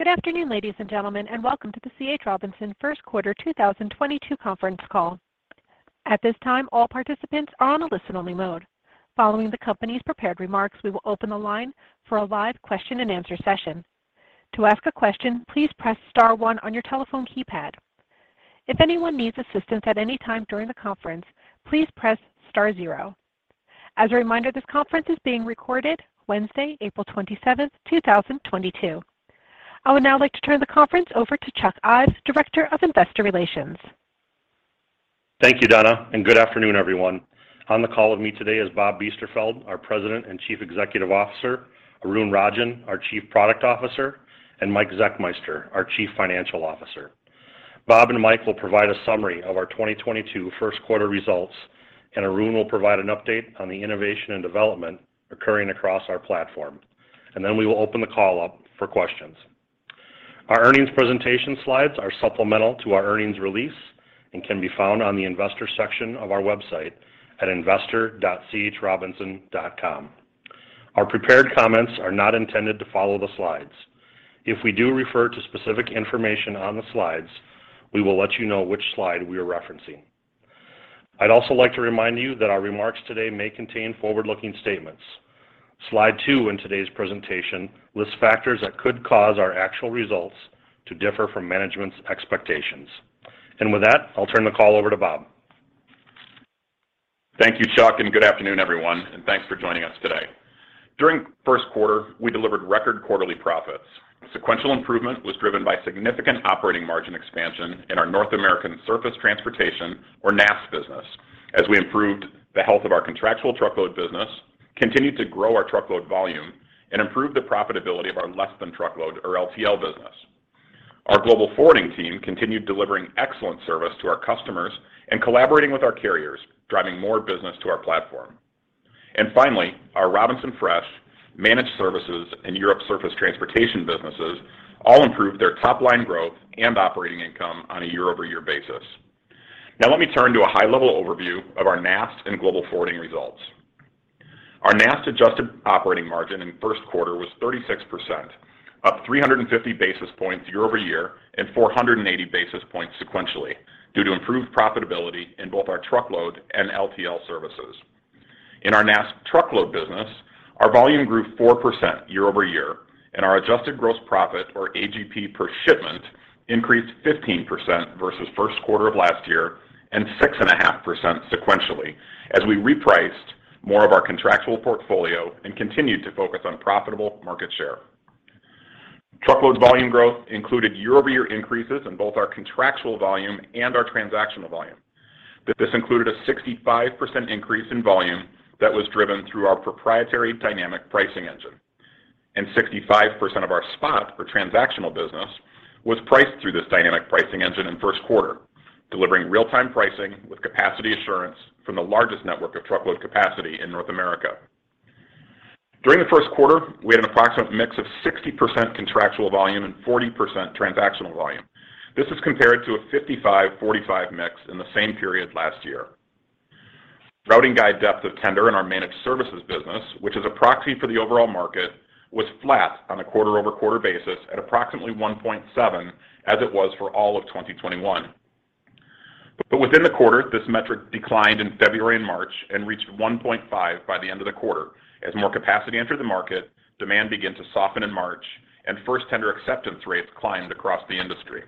Good afternoon, ladies and gentlemen, and welcome to the C.H. Robinson first quarter 2022 conference call. At this time, all participants are on a listen-only mode. Following the company's prepared remarks, we will open the line for a live question-and-answer session. To ask a question, please press star one on your telephone keypad. If anyone needs assistance at any time during the conference, please press star zero. As a reminder, this conference is being recorded Wednesday, April 27, 2022. I would now like to turn the conference over to Chuck Ives, Director of Investor Relations. Thank you, Donna, and good afternoon, everyone. On the call with me today is Bob Biesterfeld, our President and Chief Executive Officer, Arun Rajan, our Chief Product Officer, and Mike Zechmeister, our Chief Financial Officer. Bob and Mike will provide a summary of our 2022 first quarter results, and Arun will provide an update on the innovation and development occurring across our platform. Then we will open the call up for questions. Our earnings presentation slides are supplemental to our earnings release and can be found on the investor section of our website at investor.chrobinson.com. Our prepared comments are not intended to follow the slides. If we do refer to specific information on the slides, we will let you know which slide we are referencing. I'd also like to remind you that our remarks today may contain forward-looking statements. Slide two in today's presentation lists factors that could cause our actual results to differ from management's expectations. With that, I'll turn the call over to Bob. Thank you, Chuck, and good afternoon, everyone, and thanks for joining us today. During first quarter, we delivered record quarterly profits. Sequential improvement was driven by significant operating margin expansion in our North American Surface Transportation, or NAST business, as we improved the health of our contractual truckload business, continued to grow our truckload volume, and improved the profitability of our less than truckload, or LTL business. Our global forwarding team continued delivering excellent service to our customers and collaborating with our carriers, driving more business to our platform. Finally, our Robinson Fresh Managed Services and Europe Surface Transportation businesses all improved their top line growth and operating income on a year-over-year basis. Now let me turn to a high level overview of our NAST and global forwarding results. Our NAST adjusted operating margin in first quarter was 36%, up 350 basis points year-over-year and 480 basis points sequentially due to improved profitability in both our truckload and LTL services. In our NAST truckload business, our volume grew 4% year-over-year, and our adjusted gross profit, or AGP, per shipment increased 15% versus first quarter of last year and 6.5% sequentially as we repriced more of our contractual portfolio and continued to focus on profitable market share. Truckload volume growth included year-over-year increases in both our contractual volume and our transactional volume. This included a 65% increase in volume that was driven through our proprietary dynamic pricing engine. 65% of our spot and transactional business was priced through this dynamic pricing engine in first quarter, delivering real-time pricing with capacity assurance from the largest network of truckload capacity in North America. During the first quarter, we had an approximate mix of 60% contractual volume and 40% transactional volume. This is compared to a 55/45 mix in the same period last year. Routing guide depth of tender in our managed services business, which is a proxy for the overall market, was flat on a quarter-over-quarter basis at approximately 1.7, as it was for all of 2021. Within the quarter, this metric declined in February and March and reached 1.5 by the end of the quarter. As more capacity entered the market, demand began to soften in March, and first tender acceptance rates climbed across the industry.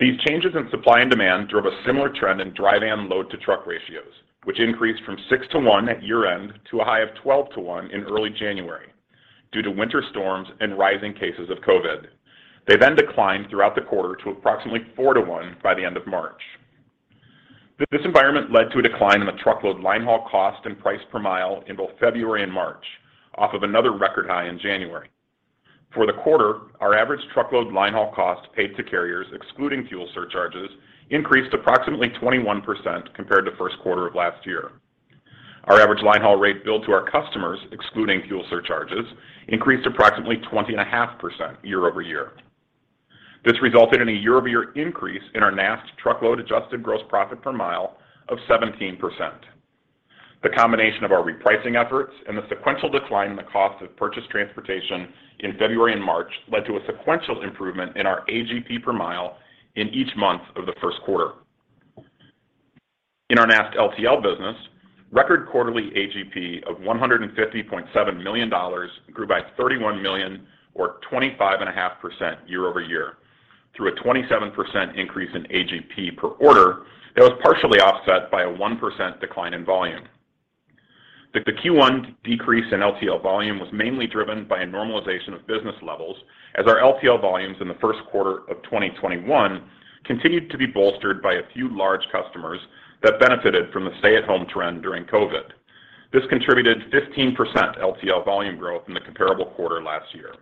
These changes in supply and demand drove a similar trend in dry van load-to-truck ratios, which increased from 6-to-1 at year-end to a high of 12-to-1 in early January due to winter storms and rising cases of COVID. They then declined throughout the quarter to approximately 4-to-1 by the end of March. This environment led to a decline in the truckload linehaul cost and price per mile in both February and March off of another record high in January. For the quarter, our average truckload linehaul cost paid to carriers, excluding fuel surcharges, increased approximately 21% compared to first quarter of last year. Our average linehaul rate billed to our customers, excluding fuel surcharges, increased approximately 20.5% year-over-year. This resulted in a year-over-year increase in our NAST truckload adjusted gross profit per mile of 17%. The combination of our repricing efforts and the sequential decline in the cost of purchased transportation in February and March led to a sequential improvement in our AGP per mile in each month of the first quarter. In our NAST LTL business, record quarterly AGP of $150.7 million grew by $31 million or 25.5% year over year through a 27% increase in AGP per order that was partially offset by a 1% decline in volume. The Q1 decrease in LTL volume was mainly driven by a normalization of business levels as our LTL volumes in the first quarter of 2021 continued to be bolstered by a few large customers that benefited from the stay-at-home trend during COVID. This contributed 15% LTL volume growth in the comparable quarter last year.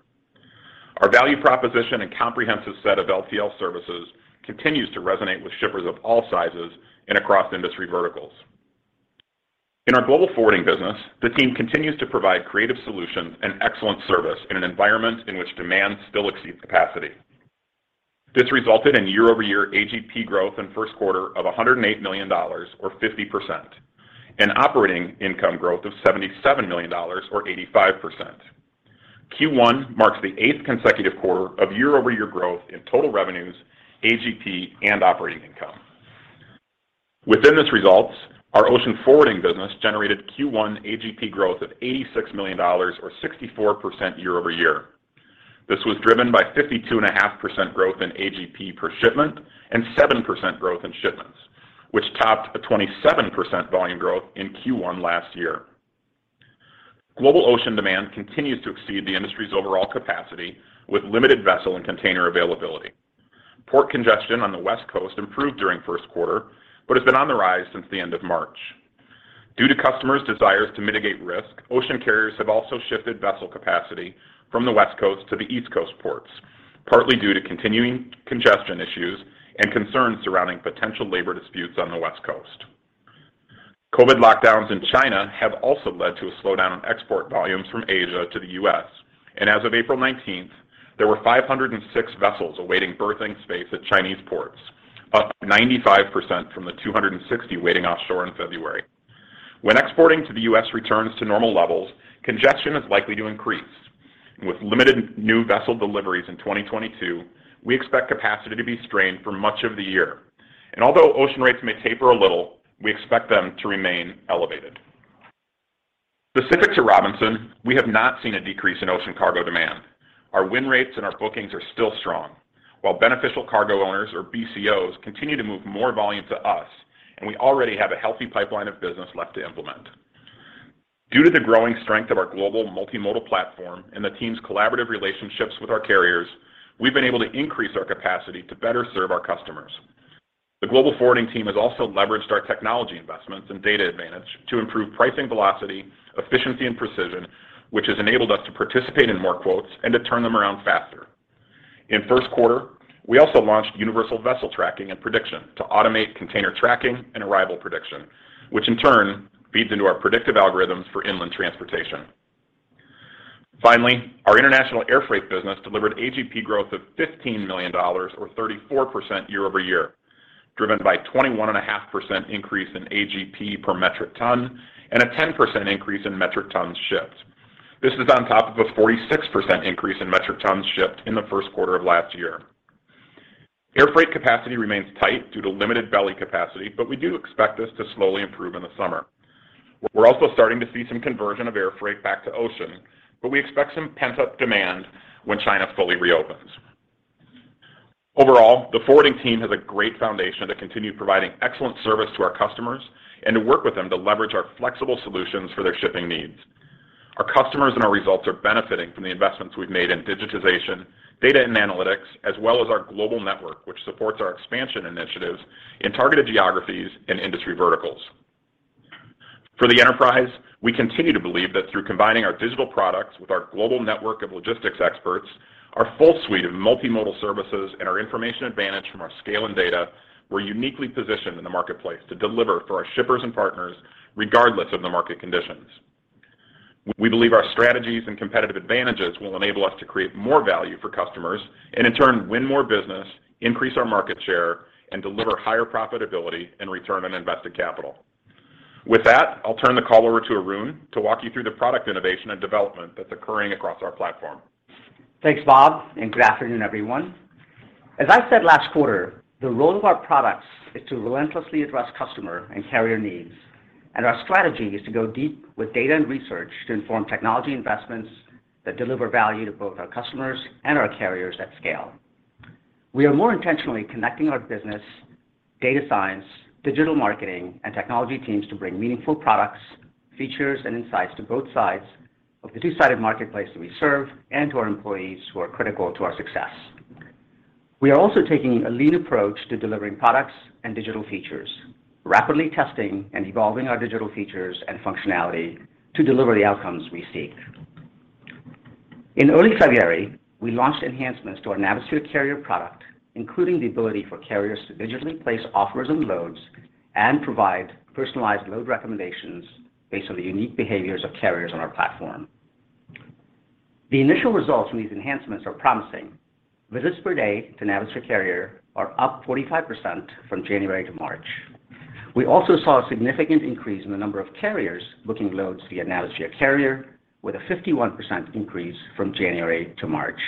Our value proposition and comprehensive set of LTL services continues to resonate with shippers of all sizes and across industry verticals. In our global forwarding business, the team continues to provide creative solutions and excellent service in an environment in which demand still exceeds capacity. This resulted in year-over-year AGP growth in first quarter of $108 million or 50% and operating income growth of $77 million or 85%. Q1 marks the eighth consecutive quarter of year-over-year growth in total revenues, AGP, and operating income. Within this results, our ocean forwarding business generated Q1 AGP growth of $86 million or 64% year over year. This was driven by 52.5% growth in AGP per shipment and 7% growth in shipments, which topped a 27% volume growth in Q1 last year. Global ocean demand continues to exceed the industry's overall capacity with limited vessel and container availability. Port congestion on the West Coast improved during first quarter, but has been on the rise since the end of March. Due to customers' desires to mitigate risk, ocean carriers have also shifted vessel capacity from the West Coast to the East Coast ports, partly due to continuing congestion issues and concerns surrounding potential labor disputes on the West Coast. COVID lockdowns in China have also led to a slowdown in export volumes from Asia to the U.S. As of April 19th, there were 506 vessels awaiting berthing space at Chinese ports, up 95% from the 260 waiting offshore in February. When exporting to the U.S. returns to normal levels, congestion is likely to increase. With limited new vessel deliveries in 2022, we expect capacity to be strained for much of the year. Although ocean rates may taper a little, we expect them to remain elevated. Specific to Robinson, we have not seen a decrease in ocean cargo demand. Our win rates and our bookings are still strong, while beneficial cargo owners, or BCOs, continue to move more volume to us, and we already have a healthy pipeline of business left to implement. Due to the growing strength of our global multimodal platform and the team's collaborative relationships with our carriers, we've been able to increase our capacity to better serve our customers. The global forwarding team has also leveraged our technology investments and data advantage to improve pricing velocity, efficiency, and precision, which has enabled us to participate in more quotes and to turn them around faster. In first quarter, we also launched universal vessel tracking and prediction to automate container tracking and arrival prediction, which in turn feeds into our predictive algorithms for inland transportation. Finally, our international airfreight business delivered AGP growth of $15 million or 34% year-over-year, driven by 21.5% increase in AGP per metric ton and a 10% increase in metric tons shipped. This is on top of a 46% increase in metric tons shipped in the first quarter of last year. Airfreight capacity remains tight due to limited belly capacity, but we do expect this to slowly improve in the summer. We're also starting to see some conversion of airfreight back to ocean, but we expect some pent-up demand when China fully reopens. Overall, the forwarding team has a great foundation to continue providing excellent service to our customers and to work with them to leverage our flexible solutions for their shipping needs. Our customers and our results are benefiting from the investments we've made in digitization, data and analytics, as well as our global network, which supports our expansion initiatives in targeted geographies and industry verticals. For the enterprise, we continue to believe that through combining our digital products with our global network of logistics experts, our full suite of multimodal services, and our information advantage from our scale and data, we're uniquely positioned in the marketplace to deliver for our shippers and partners regardless of the market conditions. We believe our strategies and competitive advantages will enable us to create more value for customers and in turn win more business, increase our market share, and deliver higher profitability and return on invested capital. With that, I'll turn the call over to Arun to walk you through the product innovation and development that's occurring across our platform. Thanks, Bob, and good afternoon, everyone. As I said last quarter, the role of our products is to relentlessly address customer and carrier needs. Our strategy is to go deep with data and research to inform technology investments that deliver value to both our customers and our carriers at scale. We are more intentionally connecting our business, data science, digital marketing, and technology teams to bring meaningful products, features, and insights to both sides of the two-sided marketplace that we serve and to our employees who are critical to our success. We are also taking a lean approach to delivering products and digital features, rapidly testing and evolving our digital features and functionality to deliver the outcomes we seek. In early February, we launched enhancements to our Navisphere Carrier product, including the ability for carriers to digitally place offers and loads and provide personalized load recommendations based on the unique behaviors of carriers on our platform. The initial results from these enhancements are promising. Visits per day to Navisphere Carrier are up 45% from January to March. We also saw a significant increase in the number of carriers booking loads via Navisphere Carrier with a 51% increase from January to March.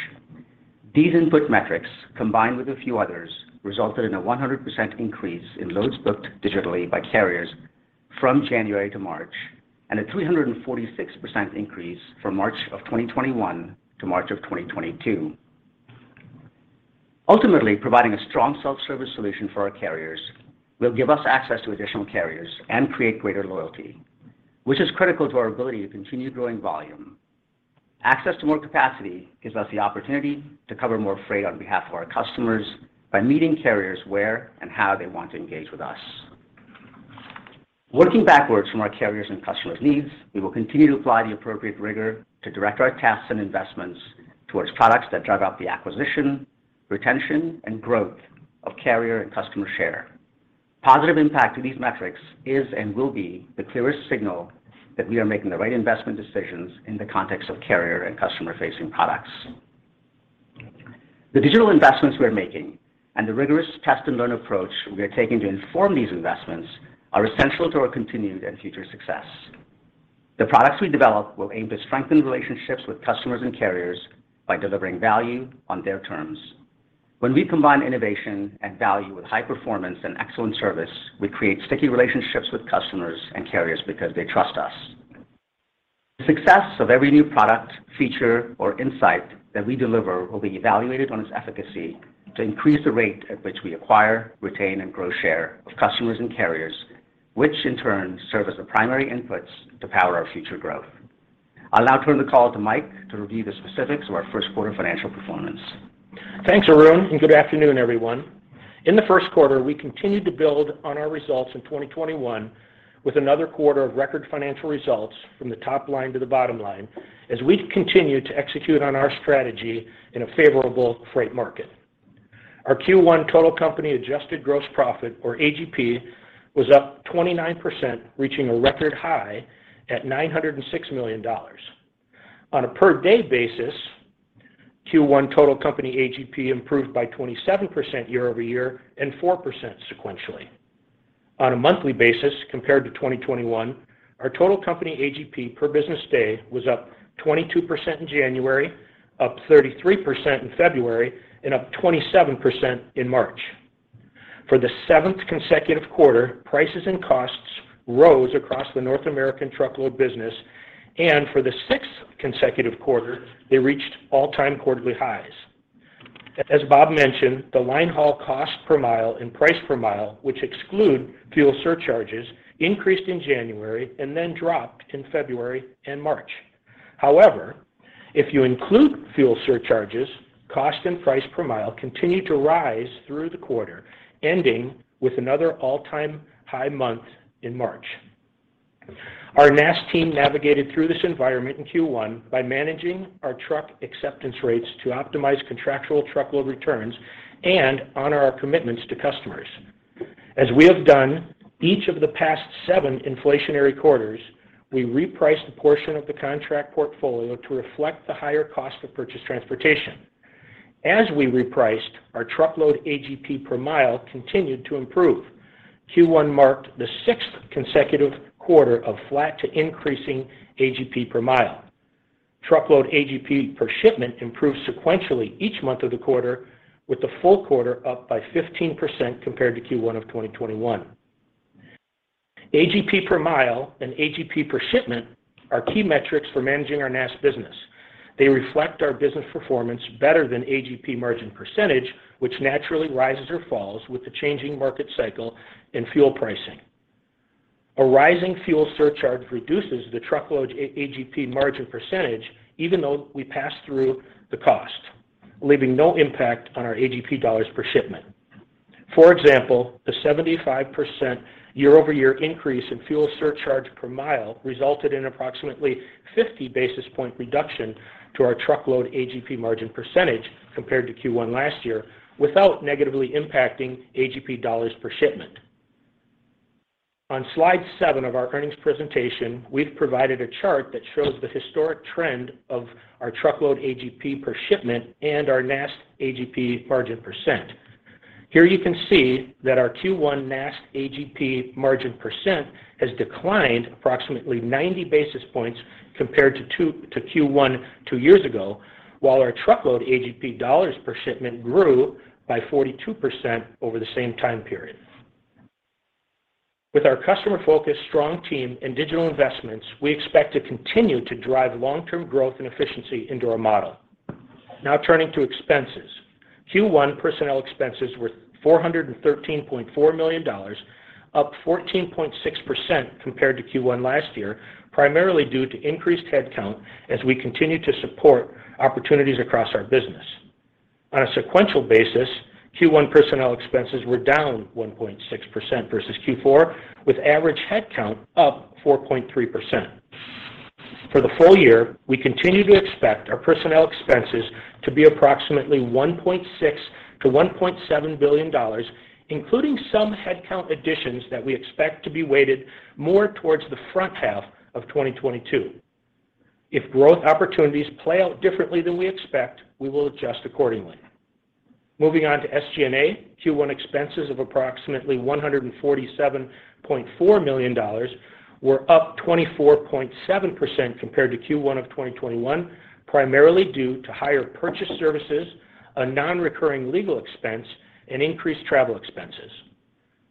These input metrics, combined with a few others, resulted in a 100% increase in loads booked digitally by carriers from January to March and a 346% increase from March of 2021 to March of 2022. Ultimately, providing a strong self-service solution for our carriers will give us access to additional carriers and create greater loyalty, which is critical to our ability to continue growing volume. Access to more capacity gives us the opportunity to cover more freight on behalf of our customers by meeting carriers where and how they want to engage with us. Working backwards from our carriers' and customers' needs, we will continue to apply the appropriate rigor to direct our tasks and investments towards products that drive out the acquisition, retention, and growth of carrier and customer share. Positive impact to these metrics is and will be the clearest signal that we are making the right investment decisions in the context of carrier and customer-facing products. The digital investments we are making and the rigorous test and learn approach we are taking to inform these investments are essential to our continued and future success. The products we develop will aim to strengthen relationships with customers and carriers by delivering value on their terms. When we combine innovation and value with high performance and excellent service, we create sticky relationships with customers and carriers because they trust us. The success of every new product, feature, or insight that we deliver will be evaluated on its efficacy to increase the rate at which we acquire, retain, and grow share of customers and carriers, which in turn serve as the primary inputs to power our future growth. I'll now turn the call to Mike to review the specifics of our first quarter financial performance. Thanks, Arun, and good afternoon, everyone. In the first quarter, we continued to build on our results in 2021 with another quarter of record financial results from the top line to the bottom line as we continue to execute on our strategy in a favorable freight market. Our Q1 total company adjusted gross profit or AGP was up 29%, reaching a record high at $906 million. On a per day basis, Q1 total company AGP improved by 27% year-over-year and 4% sequentially. On a monthly basis compared to 2021, our total company AGP per business day was up 22% in January, up 33% in February, and up 27% in March. For the seventh consecutive quarter, prices and costs rose across the North American truckload business, and for the sixth consecutive quarter, they reached all-time quarterly highs. As Bob mentioned, the linehaul cost per mile and price per mile, which exclude fuel surcharges, increased in January and then dropped in February and March. However, if you include fuel surcharges, cost and price per mile continued to rise through the quarter, ending with another all-time high month in March. Our NAST team navigated through this environment in Q1 by managing our truck acceptance rates to optimize contractual truckload returns and honor our commitments to customers. As we have done each of the past seven inflationary quarters, we repriced a portion of the contract portfolio to reflect the higher cost of purchased transportation. As we repriced, our truckload AGP per mile continued to improve. Q1 marked the sixth consecutive quarter of flat to increasing AGP per mile. Truckload AGP per shipment improved sequentially each month of the quarter, with the full quarter up by 15% compared to Q1 of 2021. AGP per mile and AGP per shipment are key metrics for managing our NAST business. They reflect our business performance better than AGP margin percentage, which naturally rises or falls with the changing market cycle and fuel pricing. A rising fuel surcharge reduces the truckload AGP margin percentage even though we pass through the cost, leaving no impact on our AGP dollars per shipment. For example, the 75% year-over-year increase in fuel surcharge per mile resulted in approximately 50 basis points reduction to our truckload AGP margin percentage compared to Q1 last year without negatively impacting AGP dollars per shipment. On slide seven of our earnings presentation, we've provided a chart that shows the historic trend of our truckload AGP per shipment and our NAST AGP margin percent. Here you can see that our Q1 NAST AGP margin percent has declined approximately 90 basis points compared to Q1 two years ago, while our truckload AGP dollars per shipment grew by 42% over the same time period. With our customer focus, strong team, and digital investments, we expect to continue to drive long-term growth and efficiency into our model. Now turning to expenses. Q1 personnel expenses were $413.4 million, up 14.6% compared to Q1 last year, primarily due to increased headcount as we continue to support opportunities across our business. On a sequential basis, Q1 personnel expenses were down 1.6% versus Q4, with average headcount up 4.3%. For the full year, we continue to expect our personnel expenses to be approximately $1.6 billion-$1.7 billion, including some headcount additions that we expect to be weighted more towards the front half of 2022. If growth opportunities play out differently than we expect, we will adjust accordingly. Moving on to SG&A, Q1 expenses of approximately $147.4 million were up 24.7% compared to Q1 of 2021, primarily due to higher purchased services, a non-recurring legal expense, and increased travel expenses.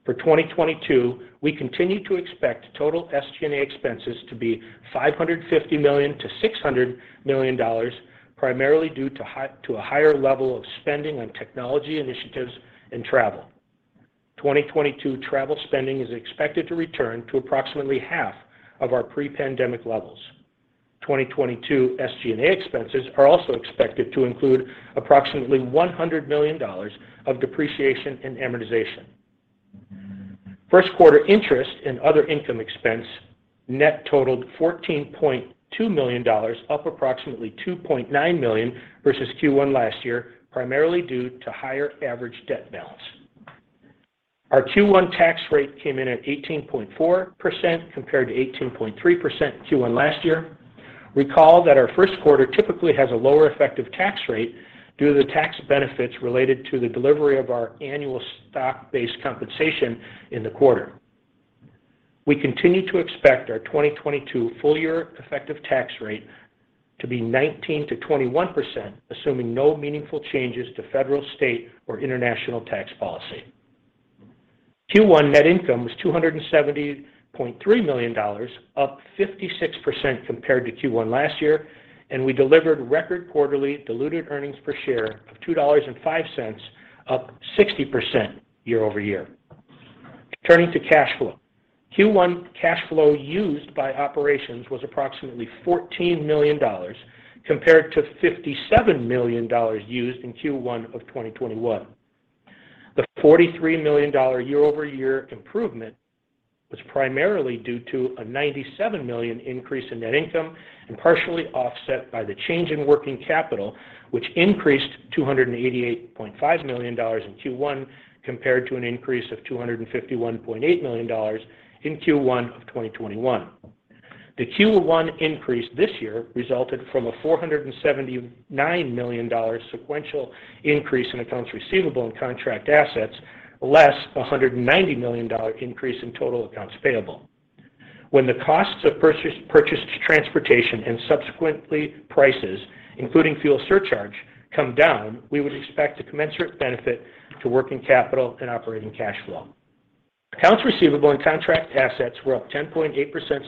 For 2022, we continue to expect total SG&A expenses to be $550 million-$600 million, primarily due to a higher level of spending on technology initiatives and travel. 2022 travel spending is expected to return to approximately half of our pre-pandemic levels. 2022 SG&A expenses are also expected to include approximately $100 million of depreciation and amortization. First quarter interest and other expense, net totaled $14.2 million, up approximately $2.9 million versus Q1 last year, primarily due to higher average debt balance. Our Q1 tax rate came in at 18.4% compared to 18.3% Q1 last year. Recall that our first quarter typically has a lower effective tax rate due to the tax benefits related to the delivery of our annual stock-based compensation in the quarter. We continue to expect our 2022 full year effective tax rate to be 19%-21%, assuming no meaningful changes to federal, state, or international tax policy. Q1 net income was $270.3 million, up 56% compared to Q1 last year, and we delivered record quarterly diluted earnings per share of $2.05, up 60% year-over-year. Turning to cash flow. Q1 cash flow used by operations was approximately $14 million compared to $57 million used in Q1 of 2021. The $43 million year-over-year improvement was primarily due to a $97 million increase in net income and partially offset by the change in working capital, which increased $288.5 million in Q1 compared to an increase of $251.8 million in Q1 of 2021. The Q1 increase this year resulted from a $479 million sequential increase in accounts receivable and contract assets, less a $190 million increase in total accounts payable. When the costs of purchased transportation and subsequent prices, including fuel surcharge, come down, we would expect a commensurate benefit to working capital and operating cash flow. Accounts receivable and contract assets were up 10.8%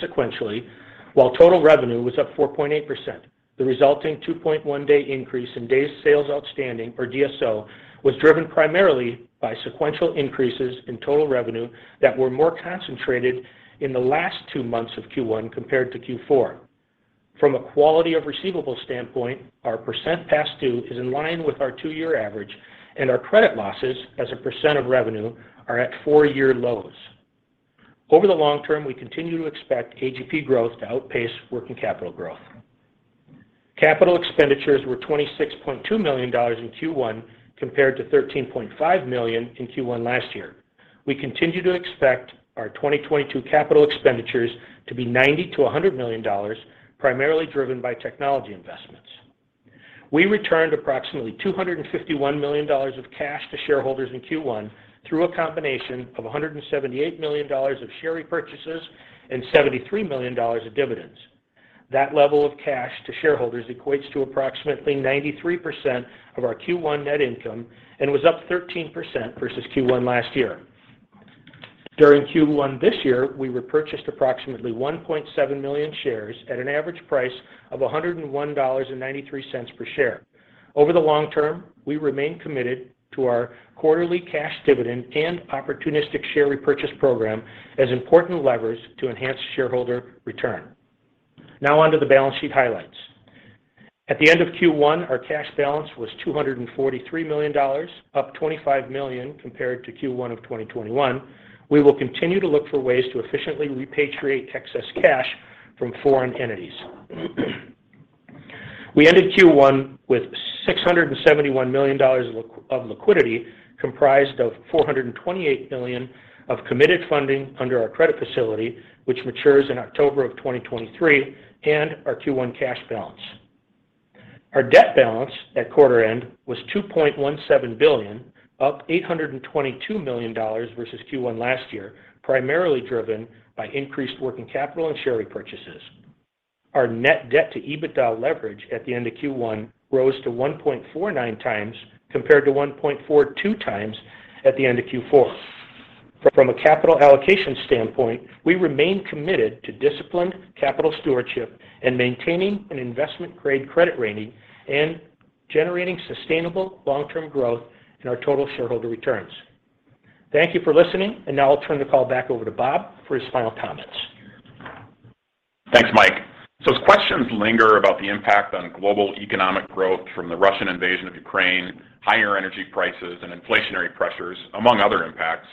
sequentially, while total revenue was up 4.8%. The resulting 2.1-day increase in days sales outstanding, or DSO, was driven primarily by sequential increases in total revenue that were more concentrated in the last two months of Q1 compared to Q4. From a quality of receivable standpoint, our percent past due is in line with our two-year average, and our credit losses as a % of revenue are at four-year lows. Over the long term, we continue to expect AGP growth to outpace working capital growth. Capital expenditures were $26.2 million in Q1 compared to $13.5 million in Q1 last year. We continue to expect our 2022 capital expenditures to be $90 million-$100 million, primarily driven by technology investments. We returned approximately $251 million of cash to shareholders in Q1 through a combination of $178 million of share repurchases and $73 million of dividends. That level of cash to shareholders equates to approximately 93% of our Q1 net income and was up 13% versus Q1 last year. During Q1 this year, we repurchased approximately 1.7 million shares at an average price of $101.93 per share. Over the long term, we remain committed to our quarterly cash dividend and opportunistic share repurchase program as important levers to enhance shareholder return. Now on to the balance sheet highlights. At the end of Q1, our cash balance was $243 million, up $25 million compared to Q1 of 2021. We will continue to look for ways to efficiently repatriate excess cash from foreign entities. We ended Q1 with $671 million of liquidity, comprised of $428 million of committed funding under our credit facility, which matures in October of 2023, and our Q1 cash balance. Our debt balance at quarter end was $2.17 billion, up $822 million versus Q1 last year, primarily driven by increased working capital and share repurchases. Our net debt to EBITDA leverage at the end of Q1 rose to 1.49x compared to 1.42x at the end of Q4. From a capital allocation standpoint, we remain committed to disciplined capital stewardship and maintaining an investment-grade credit rating and generating sustainable long-term growth in our total shareholder returns. Thank you for listening. Now I'll turn the call back over to Bob for his final comments. Thanks, Mike. As questions linger about the impact on global economic growth from the Russian invasion of Ukraine, higher energy prices, and inflationary pressures, among other impacts,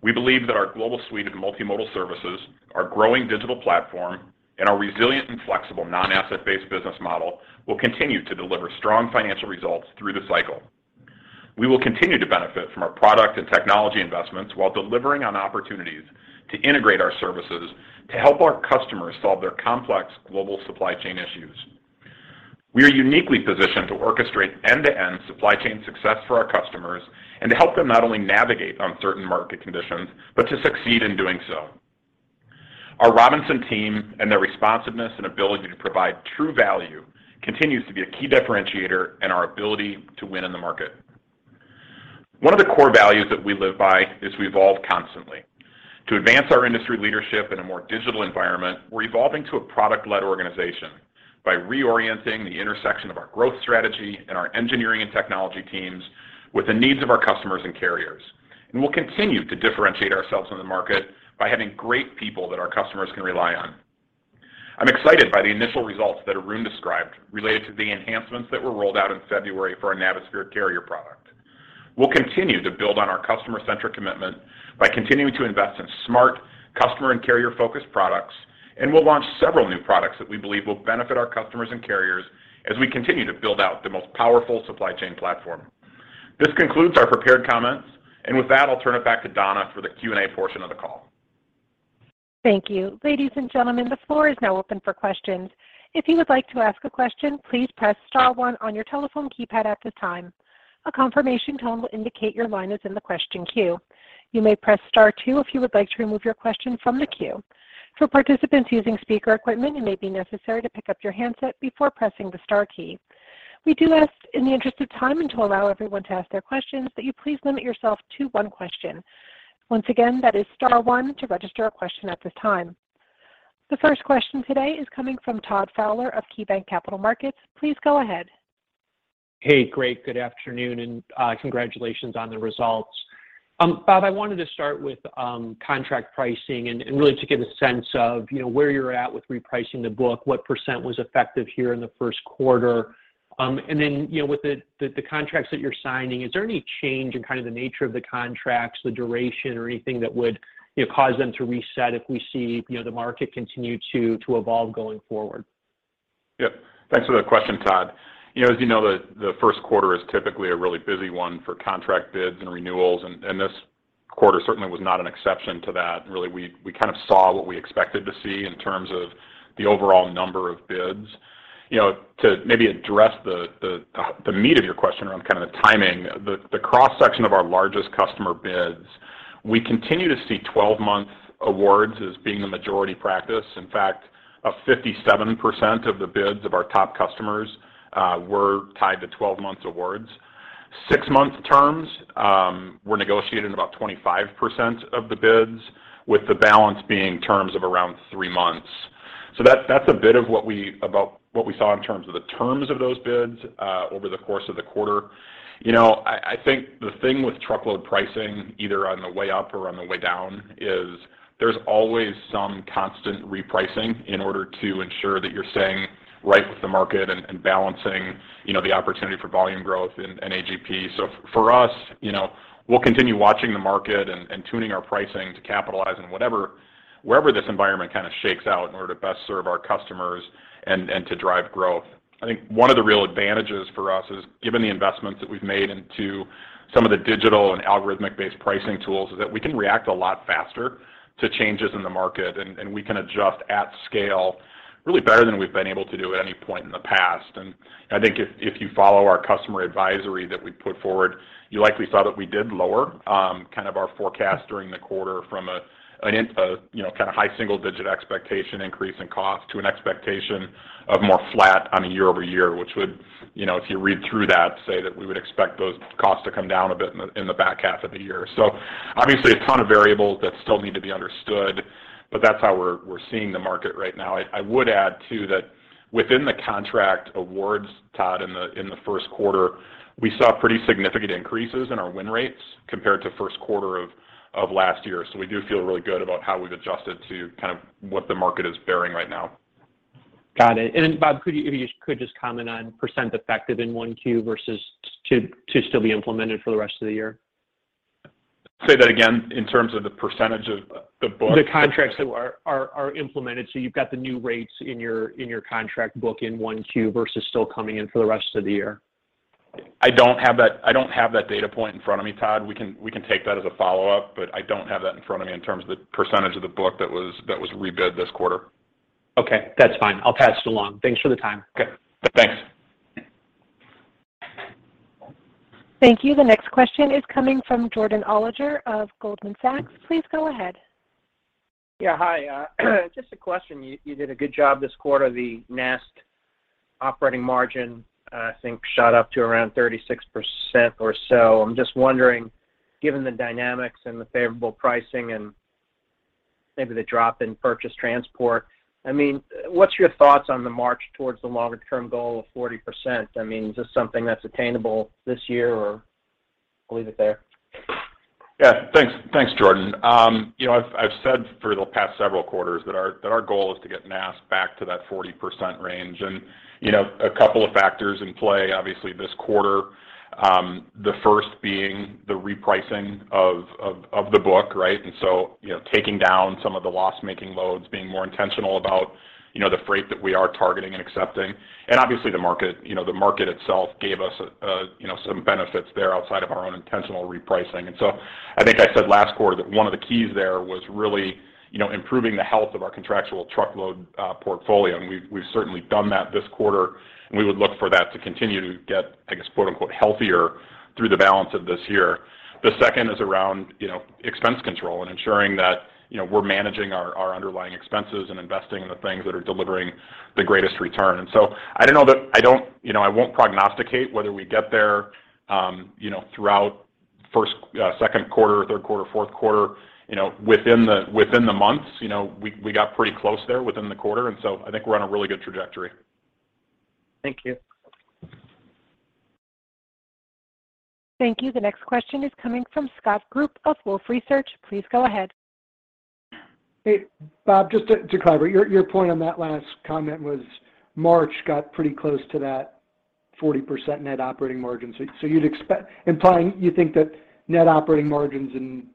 we believe that our global suite of multimodal services, our growing digital platform, and our resilient and flexible non-asset-based business model will continue to deliver strong financial results through the cycle. We will continue to benefit from our product and technology investments while delivering on opportunities to integrate our services to help our customers solve their complex global supply chain issues. We are uniquely positioned to orchestrate end-to-end supply chain success for our customers and to help them not only navigate uncertain market conditions, but to succeed in doing so. Our Robinson team and their responsiveness and ability to provide true value continues to be a key differentiator in our ability to win in the market. One of the core values that we live by is we evolve constantly. To advance our industry leadership in a more digital environment, we're evolving to a product-led organization by reorienting the intersection of our growth strategy and our engineering and technology teams with the needs of our customers and carriers. We'll continue to differentiate ourselves in the market by having great people that our customers can rely on. I'm excited by the initial results that Arun described related to the enhancements that were rolled out in February for our Navisphere Carrier product. We'll continue to build on our customer-centric commitment by continuing to invest in smart customer and carrier-focused products, and we'll launch several new products that we believe will benefit our customers and carriers as we continue to build out the most powerful supply chain platform. This concludes our prepared comments, and with that, I'll turn it back to Donna for the Q&A portion of the call. Thank you. Ladies and gentlemen, the floor is now open for questions. If you would like to ask a question, please press star one on your telephone keypad at this time. A confirmation tone will indicate your line is in the question queue. You may press star two if you would like to remove your question from the queue. For participants using speaker equipment, it may be necessary to pick up your handset before pressing the star key. We do ask, in the interest of time and to allow everyone to ask their questions, that you please limit yourself to one question. Once again, that is star one to register a question at this time. The first question today is coming from Todd Fowler of KeyBanc Capital Markets. Please go ahead. Hey, great. Good afternoon and congratulations on the results. Bob, I wanted to start with contract pricing and really to get a sense of, you know, where you're at with repricing the book, what percent was effective here in the first quarter. You know, with the contracts that you're signing, is there any change in kind of the nature of the contracts, the duration or anything that would, you know, cause them to reset if we see, you know, the market continue to evolve going forward? Yep. Thanks for that question, Todd. You know, as you know, the first quarter is typically a really busy one for contract bids and renewals, and this quarter certainly was not an exception to that. Really, we kind of saw what we expected to see in terms of the overall number of bids. You know, to maybe address the meat of your question around kind of the timing, the cross-section of our largest customer bids, we continue to see 12-month awards as being the majority practice. In fact, 57% of the bids of our top customers were tied to 12-month awards. Six-month terms were negotiated in about 25% of the bids, with the balance being terms of around three months. That's a bit of what we saw in terms of the terms of those bids over the course of the quarter. You know, I think the thing with truckload pricing, either on the way up or on the way down, is there's always some constant repricing in order to ensure that you're staying right with the market and balancing, you know, the opportunity for volume growth in AGP. For us, you know, we'll continue watching the market and tuning our pricing to capitalize on wherever this environment kind of shakes out in order to best serve our customers and to drive growth. I think one of the real advantages for us is, given the investments that we've made into some of the digital and algorithmic-based pricing tools, is that we can react a lot faster to changes in the market, and we can adjust at scale really better than we've been able to do at any point in the past. I think if you follow our customer advisory that we put forward, you likely saw that we did lower kind of our forecast during the quarter from a you know, kind of high single digit expectation increase in cost to an expectation of more flat on a year-over-year, which would, you know, if you read through that, say that we would expect those costs to come down a bit in the back half of the year. Obviously a ton of variables that still need to be understood, but that's how we're seeing the market right now. I would add too that within the contract awards, Todd, in the first quarter, we saw pretty significant increases in our win rates compared to first quarter of last year. We do feel really good about how we've adjusted to kind of what the market is bearing right now. Got it. Bob, could you just comment on percent effective in 1Q versus 2 to still be implemented for the rest of the year? Say that again. In terms of the percentage of the book? The contracts that are implemented. You've got the new rates in your contract book in 1Q versus still coming in for the rest of the year. I don't have that data point in front of me, Todd. We can take that as a follow-up, but I don't have that in front of me in terms of the percentage of the book that was rebid this quarter. Okay, that's fine. I'll pass it along. Thanks for the time. Okay. Thanks. Thank you. The next question is coming from Jordan Alliger of Goldman Sachs. Please go ahead. Yeah. Hi. Just a question. You did a good job this quarter, the NAST operating margin, I think, shot up to around 36% or so. I'm just wondering, given the dynamics and the favorable pricing and maybe the drop in purchased transportation, I mean, what's your thoughts on the march towards the longer term goal of 40%? I mean, is this something that's attainable this year, or leave it there? Yeah. Thanks. Thanks, Jordan. You know, I've said for the past several quarters that our goal is to get NAST back to that 40% range. You know, a couple of factors in play, obviously this quarter, the first being the repricing of the book, right? You know, taking down some of the loss-making loads, being more intentional about, you know, the freight that we are targeting and accepting. Obviously the market, you know, the market itself gave us a you know, some benefits there outside of our own intentional repricing. I think I said last quarter that one of the keys there was really, you know, improving the health of our contractual truckload portfolio. We've certainly done that this quarter, and we would look for that to continue to get, I guess, quote-unquote, "healthier" through the balance of this year. The second is around, you know, expense control and ensuring that, you know, we're managing our underlying expenses and investing in the things that are delivering the greatest return. You know, I won't prognosticate whether we get there, you know, throughout first, second quarter, third quarter, fourth quarter, you know, within the months. You know, we got pretty close there within the quarter, and so I think we're on a really good trajectory. Thank you. Thank you. The next question is coming from Scott Group of Wolfe Research. Please go ahead. Hey, Bob, just to clarify, your point on that last comment was March got pretty close to that 40% net operating margin. So you'd implying you think that net operating margins in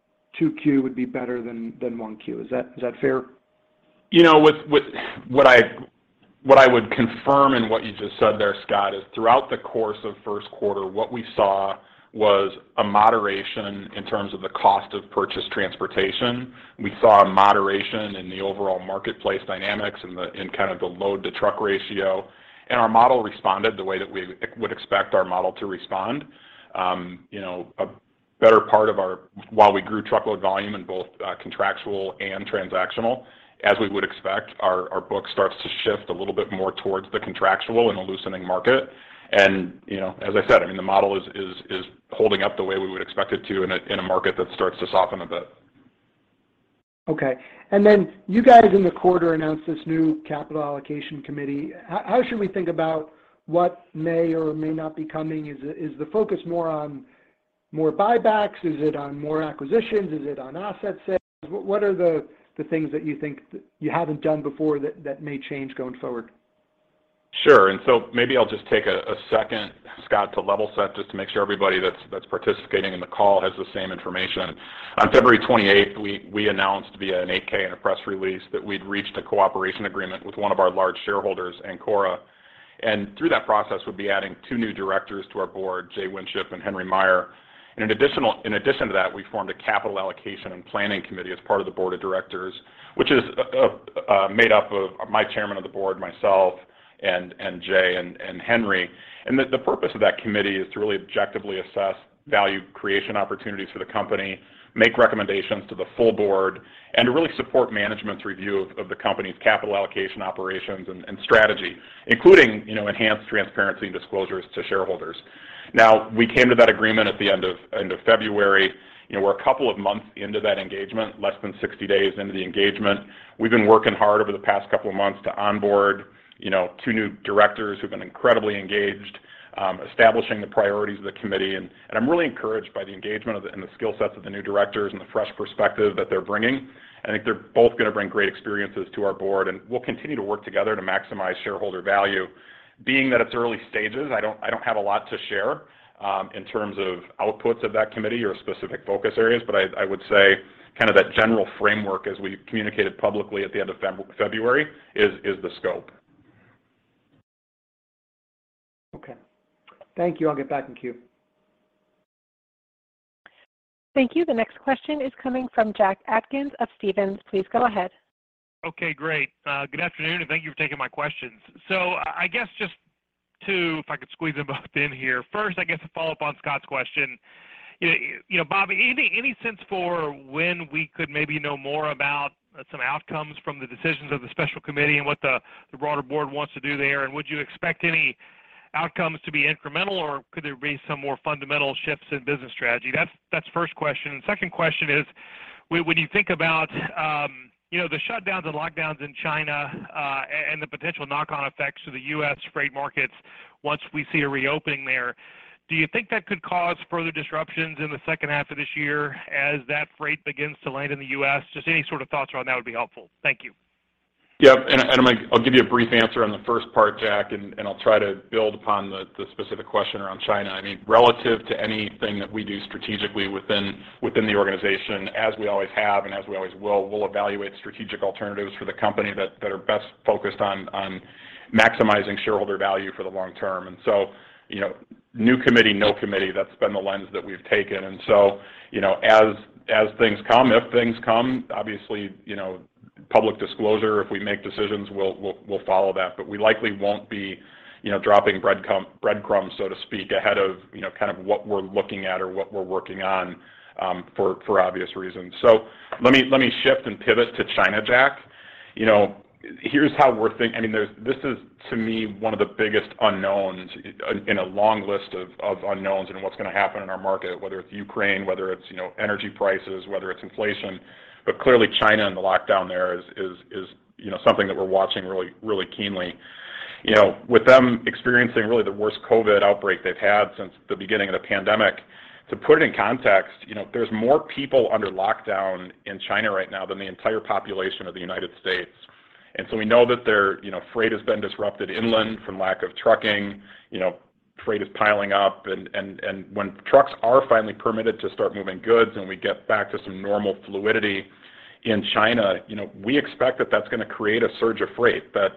2Q would be better than 1Q. Is that fair? You know, with what I would confirm in what you just said there, Scott, is throughout the course of first quarter, what we saw was a moderation in terms of the cost of purchased transportation. We saw a moderation in the overall marketplace dynamics in kind of the load to truck ratio. Our model responded the way that we would expect our model to respond. You know, while we grew truckload volume in both contractual and transactional, as we would expect, our book starts to shift a little bit more towards the contractual in a loosening market. You know, as I said, I mean, the model is holding up the way we would expect it to in a market that starts to soften a bit. Okay. Then you guys in the quarter announced this new capital allocation committee. How should we think about what may or may not be coming? Is the focus more on more buybacks? Is it on more acquisitions? Is it on asset sales? What are the things that you think you haven't done before that may change going forward? Sure. Maybe I'll just take a second, Scott, to level set just to make sure everybody that's participating in the call has the same information. On February 28th, we announced via an 8-K and a press release that we'd reached a cooperation agreement with one of our large shareholders, Ancora. Through that process, we'll be adding two new directors to our board, Jay Winship and Henry Maier. In addition to that, we formed a capital allocation and planning committee as part of the board of directors, which is made up of my chairman of the board, myself and Jay and Henry. The purpose of that committee is to really objectively assess value creation opportunities for the company, make recommendations to the full board, and to really support management's review of the company's capital allocation operations and strategy, including you know, enhanced transparency and disclosures to shareholders. Now, we came to that agreement at the end of February. You know, we're a couple of months into that engagement, less than 60 days into the engagement. We've been working hard over the past couple of months to onboard, you know, two new directors who've been incredibly engaged, establishing the priorities of the committee. I'm really encouraged by the engagement of the new directors and the skill sets of the new directors and the fresh perspective that they're bringing. I think they're both gonna bring great experiences to our board, and we'll continue to work together to maximize shareholder value. Being that it's early stages, I don't have a lot to share in terms of outputs of that committee or specific focus areas. I would say kind of that general framework as we communicated publicly at the end of February is the scope. Okay. Thank you. I'll get back in queue. Thank you. The next question is coming from Jack Atkins of Stephens. Please go ahead. Okay, great. Good afternoon, and thank you for taking my questions. I guess just two, if I could squeeze them both in here. First, I guess a follow-up on Scott's question. You know, Bob, any sense for when we could maybe know more about some outcomes from the decisions of the special committee and what the broader board wants to do there? Would you expect any outcomes to be incremental, or could there be some more fundamental shifts in business strategy? That's first question. Second question is, when you think about, you know, the shutdowns and lockdowns in China, and the potential knock-on effects to the US freight markets once we see a reopening there, do you think that could cause further disruptions in the second half of this year as that freight begins to land in the US? Just any sort of thoughts around that would be helpful. Thank you. I'm like, I'll give you a brief answer on the first part, Jack, and I'll try to build upon the specific question around China. I mean, relative to anything that we do strategically within the organization, as we always have and as we always will, we'll evaluate strategic alternatives for the company that are best focused on maximizing shareholder value for the long term. You know, new committee, no committee, that's been the lens that we've taken. You know, as things come, if things come, obviously, you know, public disclosure, if we make decisions, we'll follow that. We likely won't be, you know, dropping breadcrumbs, so to speak, ahead of, you know, kind of what we're looking at or what we're working on, for obvious reasons. Let me shift and pivot to China, Jack. Here's how we're think—I mean, this is to me one of the biggest unknowns in a long list of unknowns in what's gonna happen in our market, whether it's Ukraine, whether it's, you know, energy prices, whether it's inflation. Clearly, China and the lockdown there is something that we're watching really, really keenly. You know, with them experiencing really the worst COVID outbreak they've had since the beginning of the pandemic, to put it in context, you know, there's more people under lockdown in China right now than the entire population of the United States. We know that their, you know, freight has been disrupted inland from lack of trucking. You know, freight is piling up. When trucks are finally permitted to start moving goods and we get back to some normal fluidity in China, you know, we expect that that's gonna create a surge of freight that